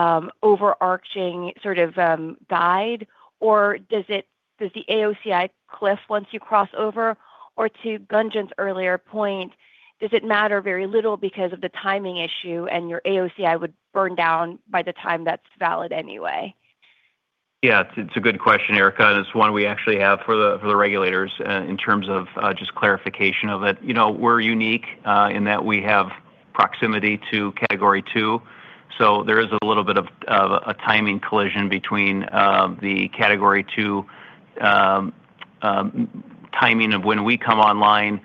the overarching sort of guide, or does the AOCI cliff once you cross over? Or to Gunjan's earlier point, does it matter very little because of the timing issue and your AOCI would burn down by the time that's valid anyway? Yeah. It's a good question, Erika. It's one we actually have for the regulators in terms of just clarification of it. We're unique in that we have proximity to Category II. There is a little bit of a timing collision between the Category II timing of when we come online,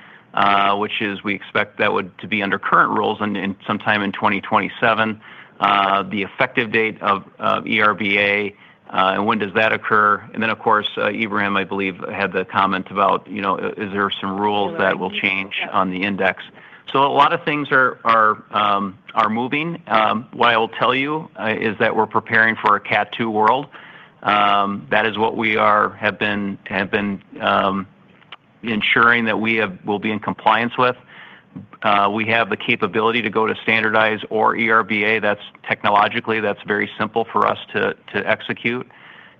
which is we expect that would be under current rules sometime in 2027. The effective date of ERBA and when does that occur. Then of course, Ebrahim, I believe had the comment about is there some rules that will change on the index. A lot of things are moving. What I will tell you is that we're preparing for a CAT 2 world. That is what we have been ensuring that we will be in compliance with. We have the capability to go to standardized or ERBA. Technologically, that's very simple for us to execute.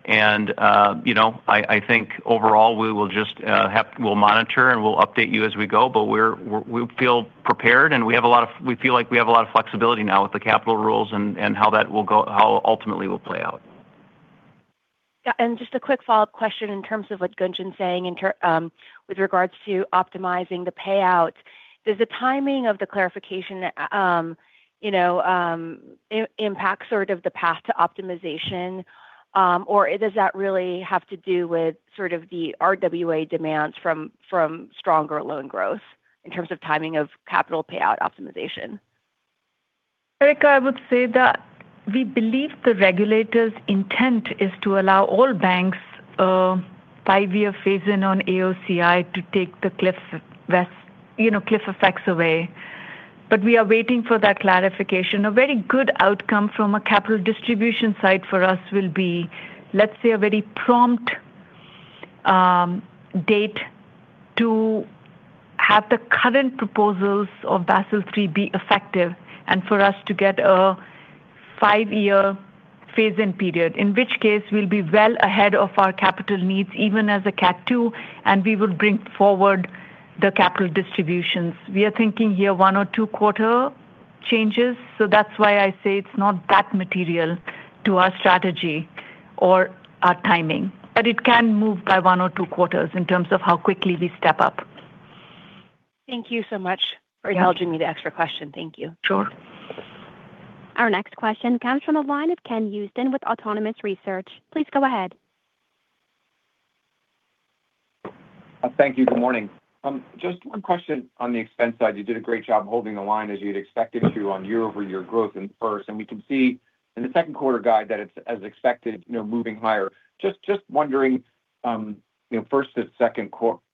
I think overall we'll monitor and we'll update you as we go. We feel prepared, and we feel like we have a lot of flexibility now with the capital rules and how that ultimately will play out. Yeah. Just a quick follow-up question in terms of what Gunjan's saying with regards to optimizing the payouts. Does the timing of the clarification impact sort of the path to optimization? Or does that really have to do with sort of the RWA demands from stronger loan growth in terms of timing of capital payout optimization? Erika, I would say that we believe the regulator's intent is to allow all banks a five-year phase-in on AOCI to take the cliff effects away. We are waiting for that clarification. A very good outcome from a capital distribution side for us will be, let's say, a very prompt date to have the current proposals of Basel III be effective and for us to get a five-year phase-in period. In which case, we'll be well ahead of our capital needs, even as a CAT 2, and we will bring forward the capital distributions. We are thinking here one or two quarter changes. That's why I say it's not that material to our strategy or our timing. It can move by one or two quarters in terms of how quickly we step up. Thank you so much for indulging me the extra question. Thank you. Sure. Our next question comes from the line of Ken Usdin with Autonomous Research. Please go ahead. Thank you. Good morning. Just one question on the expense side. You did a great job holding the line as you'd expected to on year-over-year growth in first. We can see in the second quarter guide that it's as expected moving higher. Just wondering first and second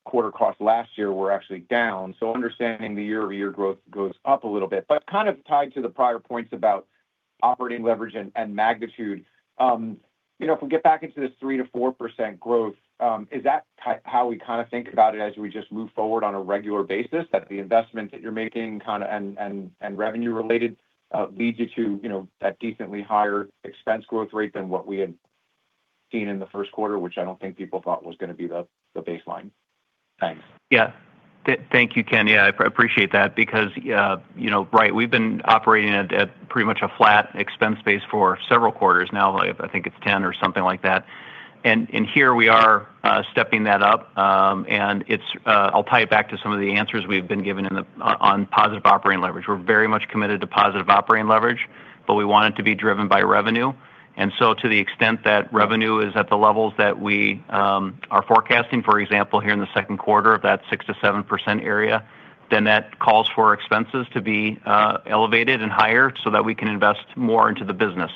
quarter costs last year were actually down. Understanding the year-over-year growth goes up a little bit. Kind of tied to the prior points about operating leverage and magnitude. If we get back into this 3%-4% growth, is that how we kind of think about it as we just move forward on a regular basis? That the investments that you're making and revenue related leads you to that decently higher expense growth rate than what we had seen in the first quarter, which I don't think people thought was going to be the baseline. Thanks. Yeah. Thank you, Ken. Yeah, I appreciate that because right, we've been operating at pretty much a flat expense base for several quarters now. I think it's 10 or something like that. Here we are stepping that up. I'll tie it back to some of the answers we've been giving on positive operating leverage. We're very much committed to positive operating leverage, but we want it to be driven by revenue. To the extent that revenue is at the levels that we are forecasting, for example, here in the second quarter of that 6%-7% area, then that calls for expenses to be elevated and higher so that we can invest more into the business.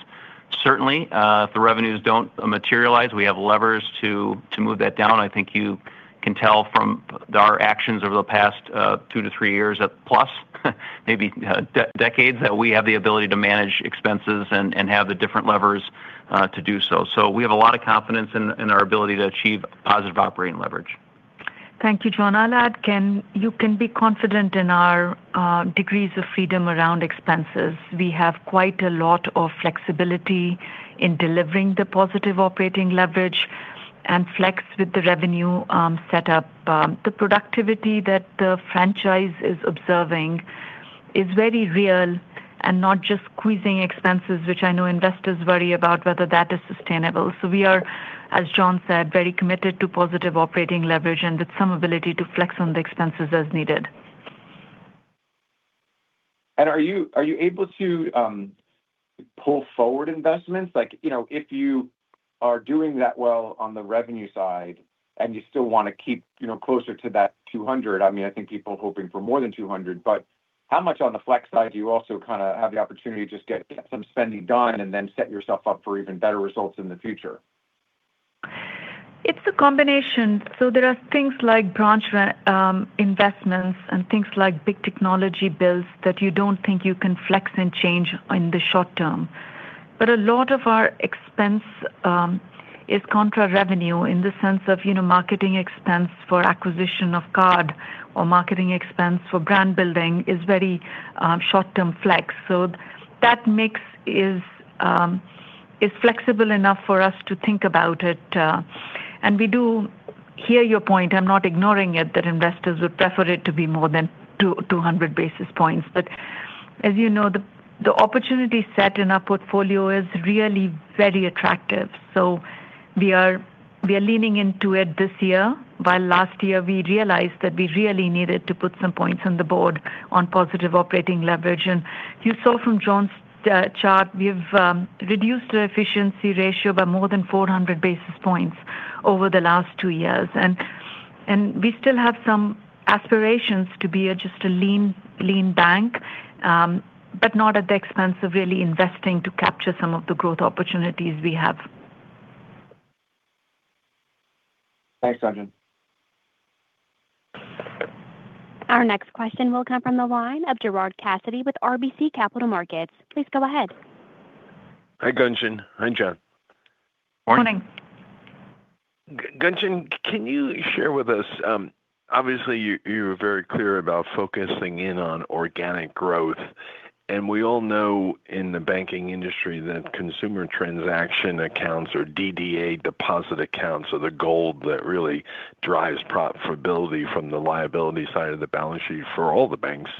Certainly, if the revenues don't materialize, we have levers to move that down. I think you can tell from our actions over the past two to three years plus, maybe decades, that we have the ability to manage expenses and have the different levers to do so. We have a lot of confidence in our ability to achieve positive operating leverage. Thank you, John. Allard, you can be confident in our degrees of freedom around expenses. We have quite a lot of flexibility in delivering the positive operating leverage and flex with the revenue set up. The productivity that the franchise is observing is very real and not just squeezing expenses, which I know investors worry about whether that is sustainable. We are, as John said, very committed to positive operating leverage and with some ability to flex on the expenses as needed. Are you able to pull forward investments? If you are doing that well on the revenue side and you still want to keep closer to that $200, I think people hoping for more than $200. How much on the flex side do you also have the opportunity to just get some spending done and then set yourself up for even better results in the future? It's a combination. There are things like branch investments and things like big technology builds that you don't think you can flex and change in the short-term. A lot of our expense is contra revenue in the sense of marketing expense for acquisition of card or marketing expense for brand building is very short-term flex. That mix is flexible enough for us to think about it. We do hear your point. I'm not ignoring it, that investors would prefer it to be more than 200 basis points. As you know, the opportunity set in our portfolio is really very attractive. We are leaning into it this year. By last year, we realized that we really needed to put some points on the board on positive operating leverage. You saw from John's chart, we've reduced the efficiency ratio by more than 400 basis points over the last two years. We still have some aspirations to be just a lean bank, but not at the expense of really investing to capture some of the growth opportunities we have. Thanks, Gunjan. Our next question will come from the line of Gerard Cassidy with RBC Capital Markets. Please go ahead. Hi, Gunjan. Hi, John. Morning. Morning. Gunjan, can you share with us, obviously you were very clear about focusing in on organic growth, and we all know in the banking industry that consumer transaction accounts or DDA deposit accounts are the gold that really drives profitability from the liability side of the balance sheet for all the banks.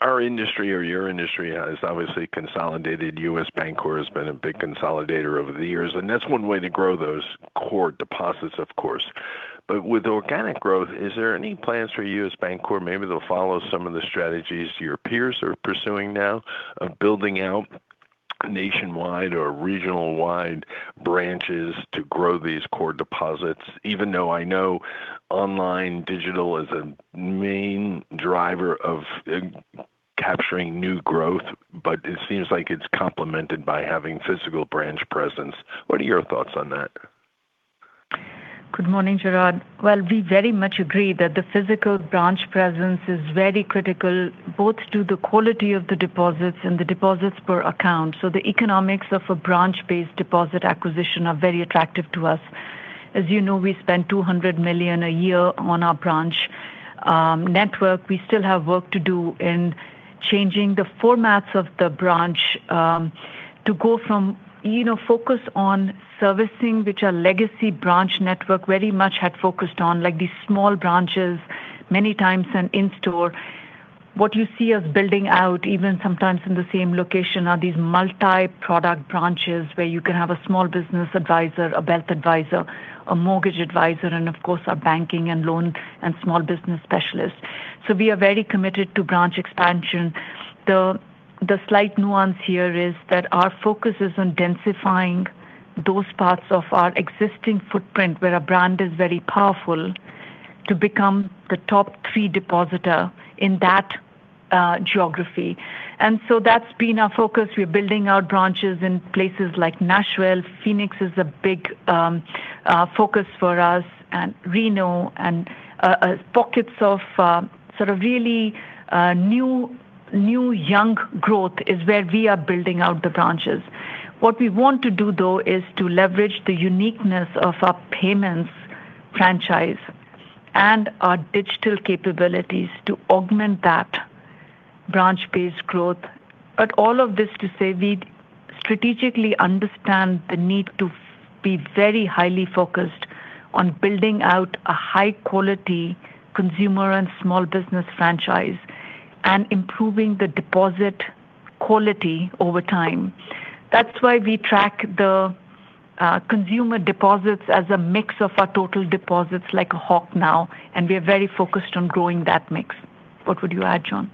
Our industry or your industry has obviously consolidated. U.S. Bancorp has been a big consolidator over the years, and that's one way to grow those core deposits, of course. With organic growth, is there any plans for U.S. Bancorp? Maybe they'll follow some of the strategies your peers are pursuing now of building out nationwide or regional-wide branches to grow these core deposits, even though I know online digital is a main driver of capturing new growth, but it seems like it's complemented by having physical branch presence. What are your thoughts on that? Good morning, Gerard. Well, we very much agree that the physical branch presence is very critical both to the quality of the deposits and the deposits per account. The economics of a branch-based deposit acquisition are very attractive to us. As you know, we spend $200 million a year on our branch network. We still have work to do in changing the formats of the branch to go from focus on servicing, which our legacy branch network very much had focused on, like these small branches many times and in-store. What you see us building out even sometimes in the same location are these multi-product branches where you can have a small business advisor, a wealth advisor, a mortgage advisor, and of course, our banking and loan and small business specialists. We are very committed to branch expansion. The slight nuance here is that our focus is on densifying those parts of our existing footprint where our brand is very powerful to become the top three depositor in that geography. That's been our focus. We're building our branches in places like Nashville. Phoenix is a big focus for us, and Reno, and pockets of sort of really new, young growth is where we are building out the branches. What we want to do, though, is to leverage the uniqueness of our payments franchise and our digital capabilities to augment that branch-based growth. All of this to say we strategically understand the need to be very highly focused on building out a high-quality consumer and small business franchise and improving the deposit quality over time. That's why we track the consumer deposits as a mix of our total deposits like a hawk now, and we're very focused on growing that mix. What would you add, John?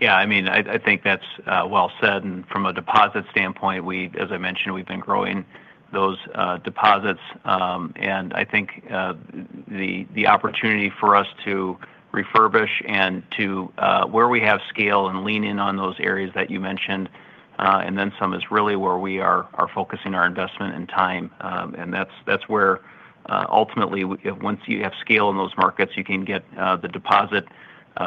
Yeah, I think that's well said. From a deposit standpoint, as I mentioned, we've been growing those deposits. I think the opportunity for us to refurbish and to where we have scale and lean in on those areas that you mentioned and then some is really where we are focusing our investment and time. That's where ultimately, once you have scale in those markets, you can get the deposit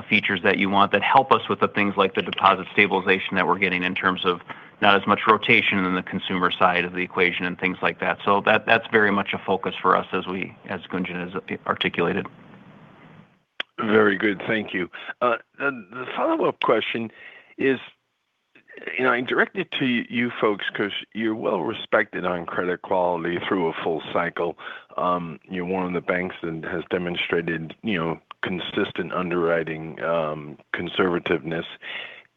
features that you want that help us with the things like the deposit stabilization that we're getting in terms of not as much rotation in the consumer side of the equation and things like that. That's very much a focus for us as Gunjan has articulated. Very good. Thank you. The follow-up question is, I direct it to you folks because you're well-respected on credit quality through a full cycle. You're one of the banks that has demonstrated consistent underwriting conservativeness.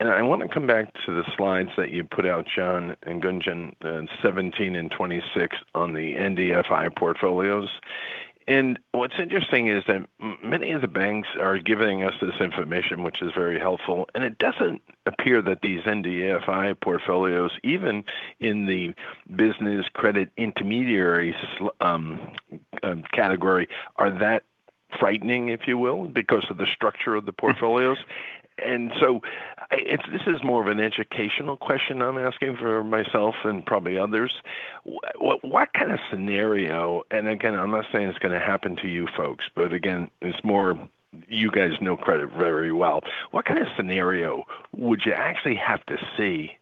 I want to come back to the slides that you put out, John and Gunjan, 17 and 26 on the NDFI portfolios. What's interesting is that many of the banks are giving us this information, which is very helpful. It doesn't appear that these NDFI portfolios, even in the business credit intermediary category, are that frightening, if you will, because of the structure of the portfolios. This is more of an educational question I'm asking for myself and probably others. What kind of scenario, and again, I'm not saying it's going to happen to you folks, but again, it's more you guys know credit very well. What kind of scenario would you actually have to see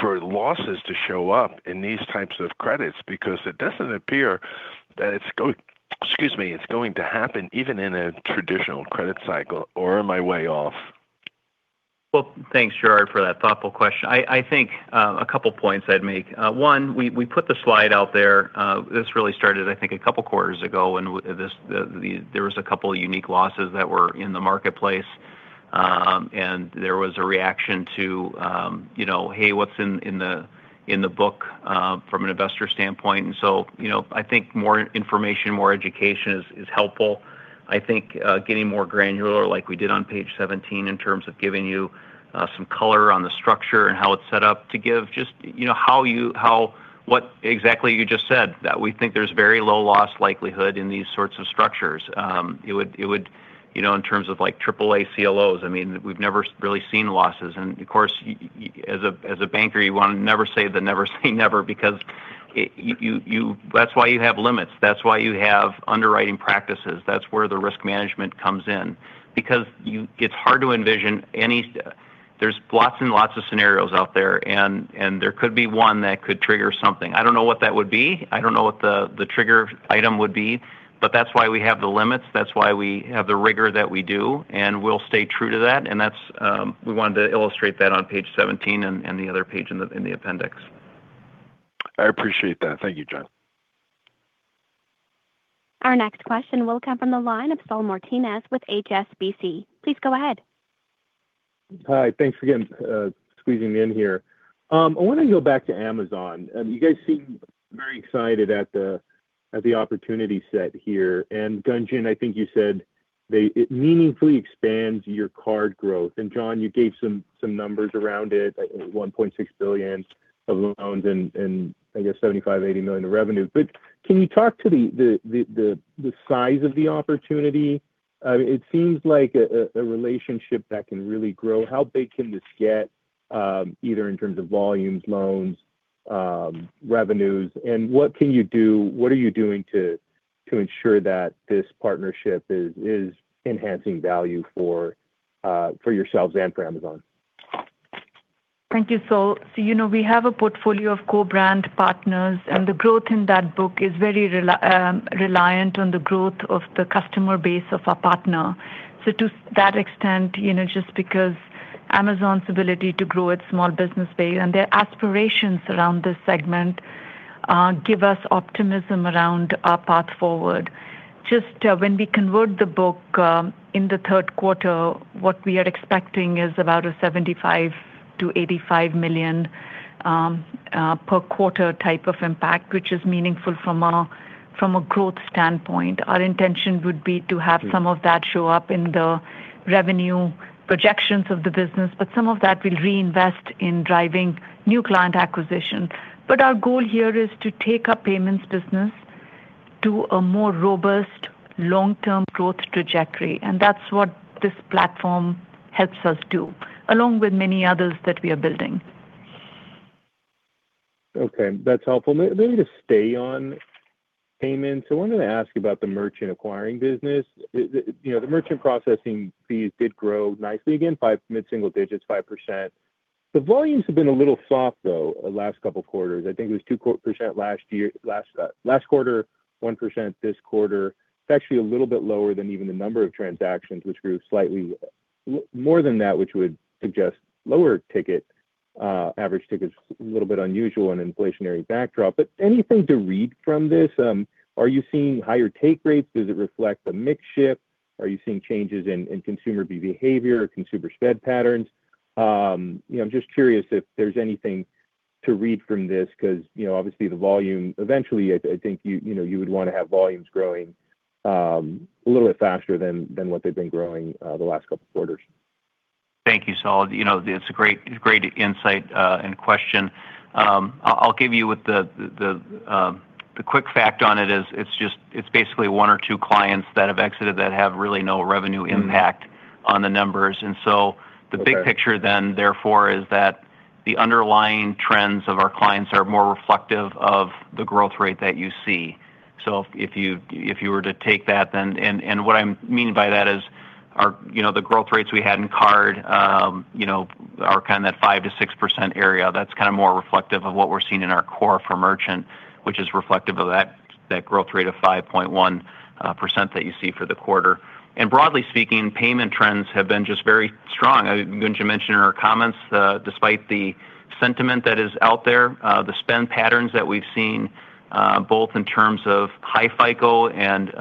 for losses to show up in these types of credits? Because it doesn't appear that it's going to happen even in a traditional credit cycle, or am I way off? Well, thanks, Gerard, for that thoughtful question. I think a couple points I'd make. One, we put the slide out there. This really started, I think, a couple quarters ago when there was a couple unique losses that were in the marketplace. There was a reaction to, "Hey, what's in the book from an investor standpoint?" I think more information, more education is helpful. I think getting more granular like we did on page 17 in terms of giving you some color on the structure and how it's set up to give just what exactly you just said. That we think there's very low loss likelihood in these sorts of structures. In terms of like AAA CLOs, I mean, we've never really seen losses. Of course, as a banker, you want to never say the never say never, because that's why you have limits. That's why you have underwriting practices. That's where the risk management comes in. Because it's hard to envision any. There's lots and lots of scenarios out there, and there could be one that could trigger something. I don't know what that would be. I don't know what the trigger item would be, but that's why we have the limits. That's why we have the rigor that we do, and we'll stay true to that. We wanted to illustrate that on page 17 and the other page in the appendix. I appreciate that. Thank you, John. Our next question will come from the line of Saul Martinez with HSBC. Please go ahead. Hi, thanks for again squeezing me in here. I want to go back to Amazon. You guys seem very excited at the opportunity set here. Gunjan, I think you said it meaningfully expands your card growth. John, you gave some numbers around it, I think $1.6 billion of loans and I guess $75 million-$80 million of revenue. Can you talk to the size of the opportunity? It seems like a relationship that can really grow. How big can this get either in terms of volumes, loans, revenues, and what are you doing to ensure that this partnership is enhancing value for yourselves and for Amazon? Thank you, Saul. We have a portfolio of co-brand partners, and the growth in that book is very reliant on the growth of the customer base of our partner. To that extent, just because Amazon's ability to grow its small business base and their aspirations around this segment give us optimism around our path forward. Just when we convert the book in the third quarter, what we are expecting is about a $75 million-$85 million per quarter type of impact, which is meaningful from a growth standpoint. Our intention would be to have some of that show up in the revenue projections of the business, but some of that we'll reinvest in driving new client acquisition. Our goal here is to take our payments business to a more robust long-term growth trajectory, and that's what this platform helps us do, along with many others that we are building. Okay. That's helpful. Maybe to stay on payments, I wanted to ask about the merchant acquiring business. The merchant processing fees did grow nicely again, mid-single digits, 5%. The volumes have been a little soft, though, the last couple quarters. I think it was 2% last quarter, 1% this quarter. It's actually a little bit lower than even the number of transactions which grew slightly more than that, which would suggest lower average tickets. A little bit unusual in an inflationary backdrop. But anything to read from this? Are you seeing higher take rates? Does it reflect a mix shift? Are you seeing changes in consumer behavior or consumer spend patterns? I'm just curious if there's anything to read from this, because obviously the volume, eventually, I think you would want to have volumes growing a little bit faster than what they've been growing the last couple of quarters. Thank you, Saul. It's a great insight and question. I'll give you the quick fact on it is it's basically one or two clients that have exited that have really no revenue impact on the numbers. The big picture then, therefore, is that the underlying trends of our clients are more reflective of the growth rate that you see. If you were to take that, then, and what I mean by that is the growth rates we had in card are kind of in that 5%-6% area. That's kind of more reflective of what we're seeing in our core for merchant, which is reflective of that growth rate of 5.1% that you see for the quarter. Broadly speaking, payment trends have been just very strong. Gunjan mentioned in her comments, despite the sentiment that is out there, the spend patterns that we've seen, both in terms of high FICO and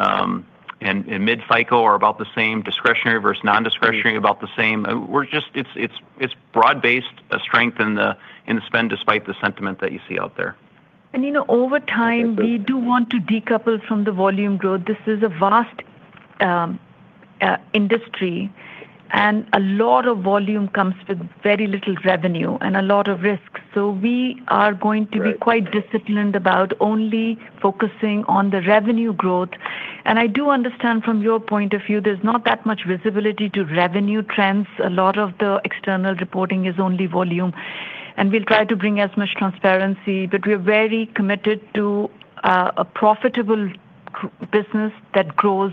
in mid FICO are about the same. Discretionary versus non-discretionary, about the same. It's broad-based strength in the spend despite the sentiment that you see out there. Over time, we do want to decouple from the volume growth. This is a vast industry, and a lot of volume comes with very little revenue and a lot of risk. We are going to be quite disciplined about only focusing on the revenue growth. I do understand from your point of view, there's not that much visibility to revenue trends. A lot of the external reporting is only volume. We'll try to bring as much transparency, but we're very committed to a profitable business that grows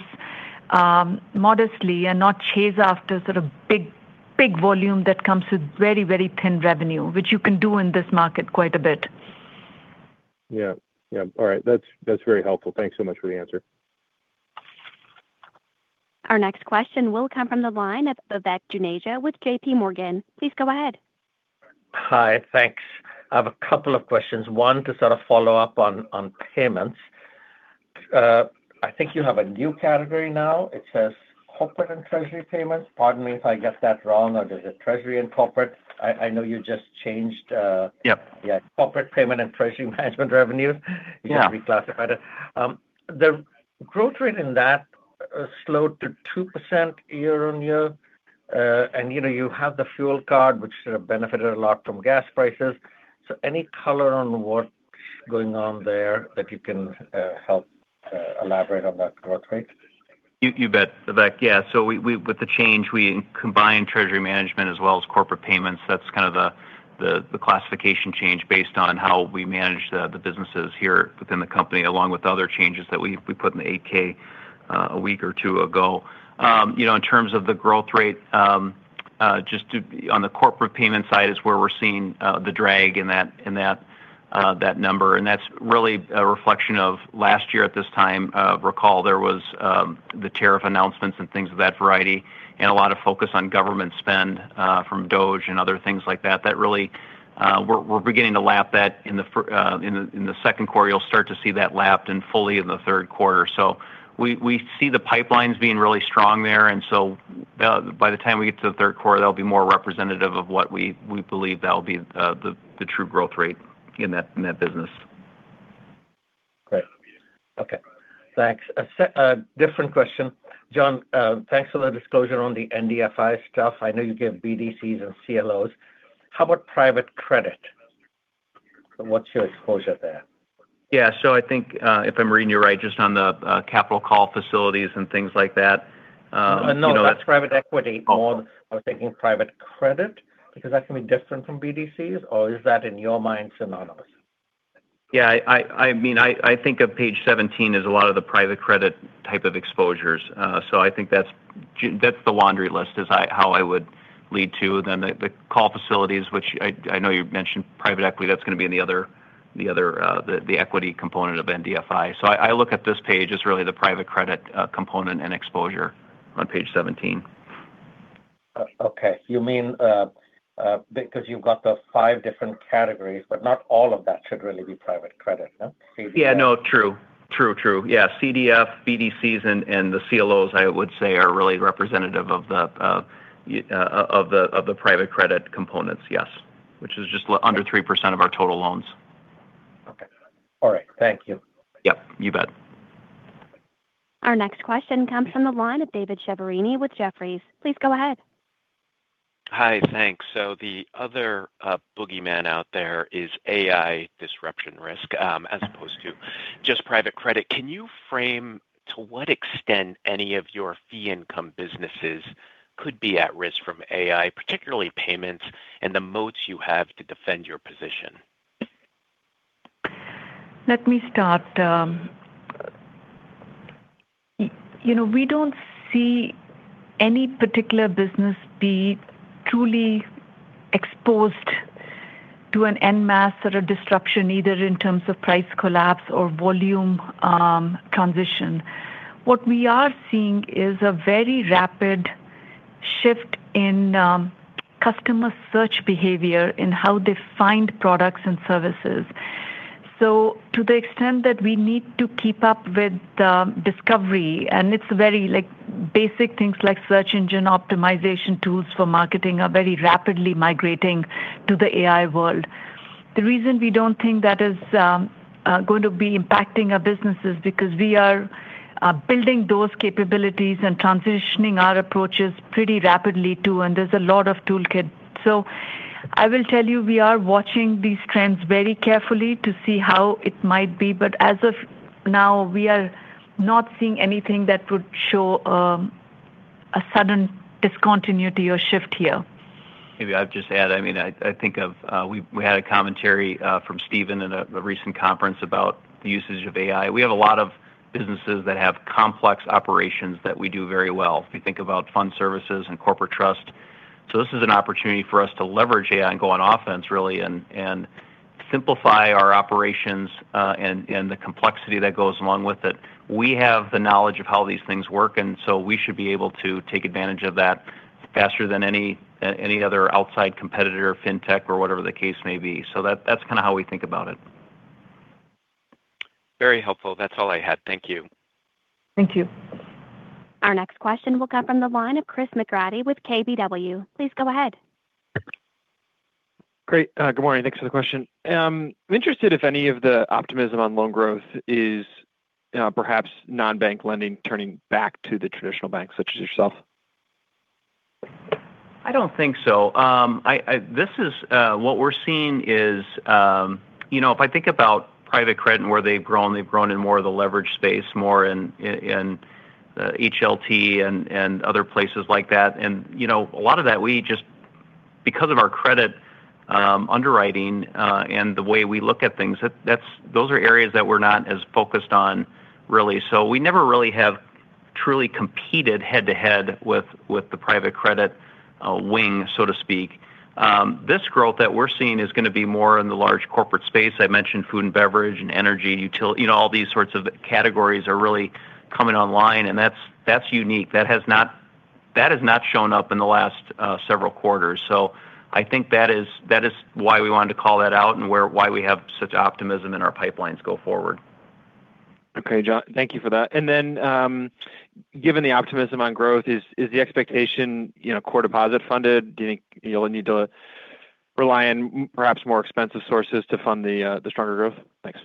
modestly and not chase after sort of big volume that comes with very, very thin revenue, which you can do in this market quite a bit. Yeah. All right. That's very helpful. Thanks so much for the answer. Our next question will come from the line of Vivek Juneja with JPMorgan. Please go ahead. Hi. Thanks. I have a couple of questions. One, to sort of follow up on payments. I think you have a new category now. It says corporate and treasury payments. Pardon me if I get that wrong. Or is it treasury and corporate? I know you just changed. Yeah Yeah, corporate payment and treasury management revenues. Yeah. You can reclassify that. The growth rate in that slowed to 2% year-over-year. You have the fuel card, which sort of benefited a lot from gas prices. Any color on what's going on there that you can help elaborate on that growth rate? You bet, Vivek. Yeah. With the change, we combined treasury management as well as corporate payments. That's kind of the classification change based on how we manage the businesses here within the company, along with other changes that we put in the 8-K a week or two ago. Right. In terms of the growth rate, just on the corporate payment side is where we're seeing the drag in that number. That's really a reflection of last year at this time, recall there was the tariff announcements and things of that variety, and a lot of focus on government spend from DOJ and other things like that. We're beginning to lap that in the second quarter. You'll start to see that lapped and fully in the third quarter. We see the pipelines being really strong there, and so by the time we get to the third quarter, that'll be more representative of what we believe that'll be the true growth rate in that business. Great. Okay. Thanks. A different question. John, thanks for the disclosure on the NDFI stuff. I know you give BDCs and CLOs. How about private credit? What's your exposure there? Yeah. I think if I'm reading you right, just on the capital call facilities and things like that- No, that's private equity more than I was thinking private credit, because that can be different from BDCs, or is that, in your mind, synonymous? Yeah. I think of page 17 as a lot of the private credit type of exposures. I think that's the laundry list is how I would lead to then the call facilities, which I know you mentioned private equity. That's going to be in the other equity component of NDFI. I look at this page as really the private credit component and exposure on page 17. Okay. You mean because you've got the five different categories, but not all of that should really be private credit, no? BDCs. Yeah, no, true. Yeah. BDCs and the CLOs I would say are really representative of the private credit components, yes, which is just under 3% of our total loans. Okay. All right. Thank you. Yep, you bet. Our next question comes from the line of David Chiaverini with Jefferies. Please go ahead. Hi. Thanks. The other boogeyman out there is AI disruption risk as opposed to just private credit. Can you frame to what extent any of your fee income businesses could be at risk from AI, particularly payments and the moats you have to defend your position? Let me start. We don't see any particular business be truly exposed to an en masse sort of disruption, either in terms of price collapse or volume transition. What we are seeing is a very rapid shift in customer search behavior in how they find products and services. To the extent that we need to keep up with the discovery, and it's very like basic things like search engine optimization tools for marketing are very rapidly migrating to the AI world. The reason we don't think that is going to be impacting our business is because we are building those capabilities and transitioning our approaches pretty rapidly too. There's a lot of toolkit. I will tell you, we are watching these trends very carefully to see how it might be, but as of now, we are not seeing anything that would show a sudden discontinuity or shift here. Maybe I'd just add, I think if we had a commentary from Steven in a recent conference about the usage of AI. We have a lot of businesses that have complex operations that we do very well if you think about fund services and corporate trust. This is an opportunity for us to leverage AI and go on offense really and simplify our operations, and the complexity that goes along with it. We have the knowledge of how these things work, and so we should be able to take advantage of that faster than any other outside competitor, fintech or whatever the case may be. That's kind of how we think about it. Very helpful. That's all I had. Thank you. Thank you. Our next question will come from the line of Chris McGratty with KBW. Please go ahead. Great. Good morning. Thanks for the question. I'm interested if any of the optimism on loan growth is perhaps non-bank lending turning back to the traditional banks such as yourself? I don't think so. What we're seeing is, if I think about private credit and where they've grown, they've grown in more of the leverage space, more in HLT and other places like that. A lot of that we just because of our credit underwriting, and the way we look at things, those are areas that we're not as focused on really. We never really have truly competed head-to-head with the private credit wing, so to speak. This growth that we're seeing is going to be more in the large corporate space. I mentioned food and beverage and energy, all these sorts of categories are really coming online, and that's unique. That has not shown up in the last several quarters. I think that is why we wanted to call that out and why we have such optimism in our pipelines going forward. Okay, John. Thank you for that. Given the optimism on growth, is the expectation core deposit funded? Do you think you'll need to rely on perhaps more expensive sources to fund the stronger growth? Thanks.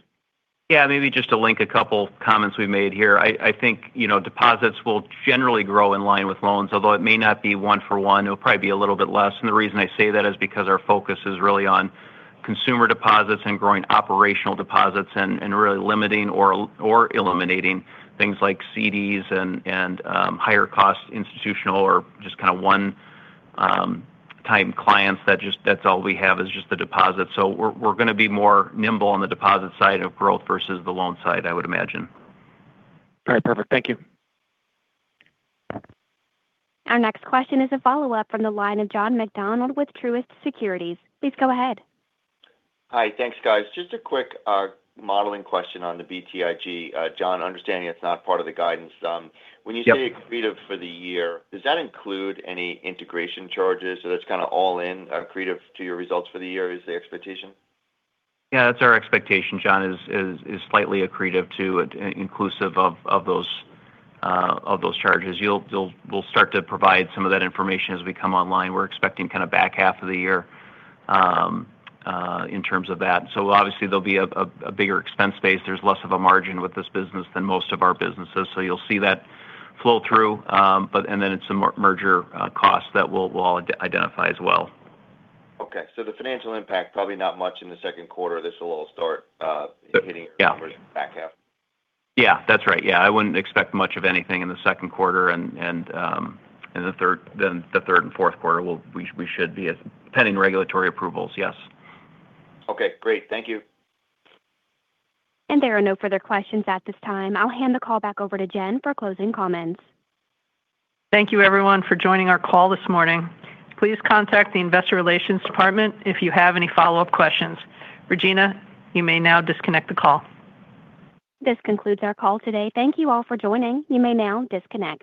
Yeah. Maybe just to link a couple comments we've made here. I think deposits will generally grow in line with loans, although it may not be one for one. It'll probably be a little bit less. The reason I say that is because our focus is really on consumer deposits and growing operational deposits and really limiting or eliminating things like CDs and higher cost institutional or just one type clients that's all we have is just the deposit. We're going to be more nimble on the deposit side of growth versus the loan side, I would imagine. All right, perfect. Thank you. Our next question is a follow-up from the line of John McDonald with Truist Securities. Please go ahead. Hi. Thanks, guys. Just a quick modeling question on the BTIG. John, understanding it's not part of the guidance. Yep. When you say accretive for the year, does that include any integration charges? That's kind of all in accretive to your results for the year is the expectation? Yeah, that's our expectation, John, is slightly accretive inclusive of those charges. We'll start to provide some of that information as we come online. We're expecting kind of back half of the year in terms of that. Obviously there'll be a bigger expense base. There's less of a margin with this business than most of our businesses. You'll see that flow through, and then it's a merger cost that we'll identify as well. Okay. The financial impact, probably not much in the second quarter. This will all start hitting. Yeah back half. Yeah, that's right. Yeah, I wouldn't expect much of anything in the second quarter and then the third and fourth quarter, we should be pending regulatory approvals. Yes. Okay, great. Thank you. There are no further questions at this time. I'll hand the call back over to Jen for closing comments. Thank you everyone for joining our call this morning. Please contact the investor relations department if you have any follow-up questions. Regina, you may now disconnect the call. This concludes our call today. Thank you all for joining. You may now disconnect.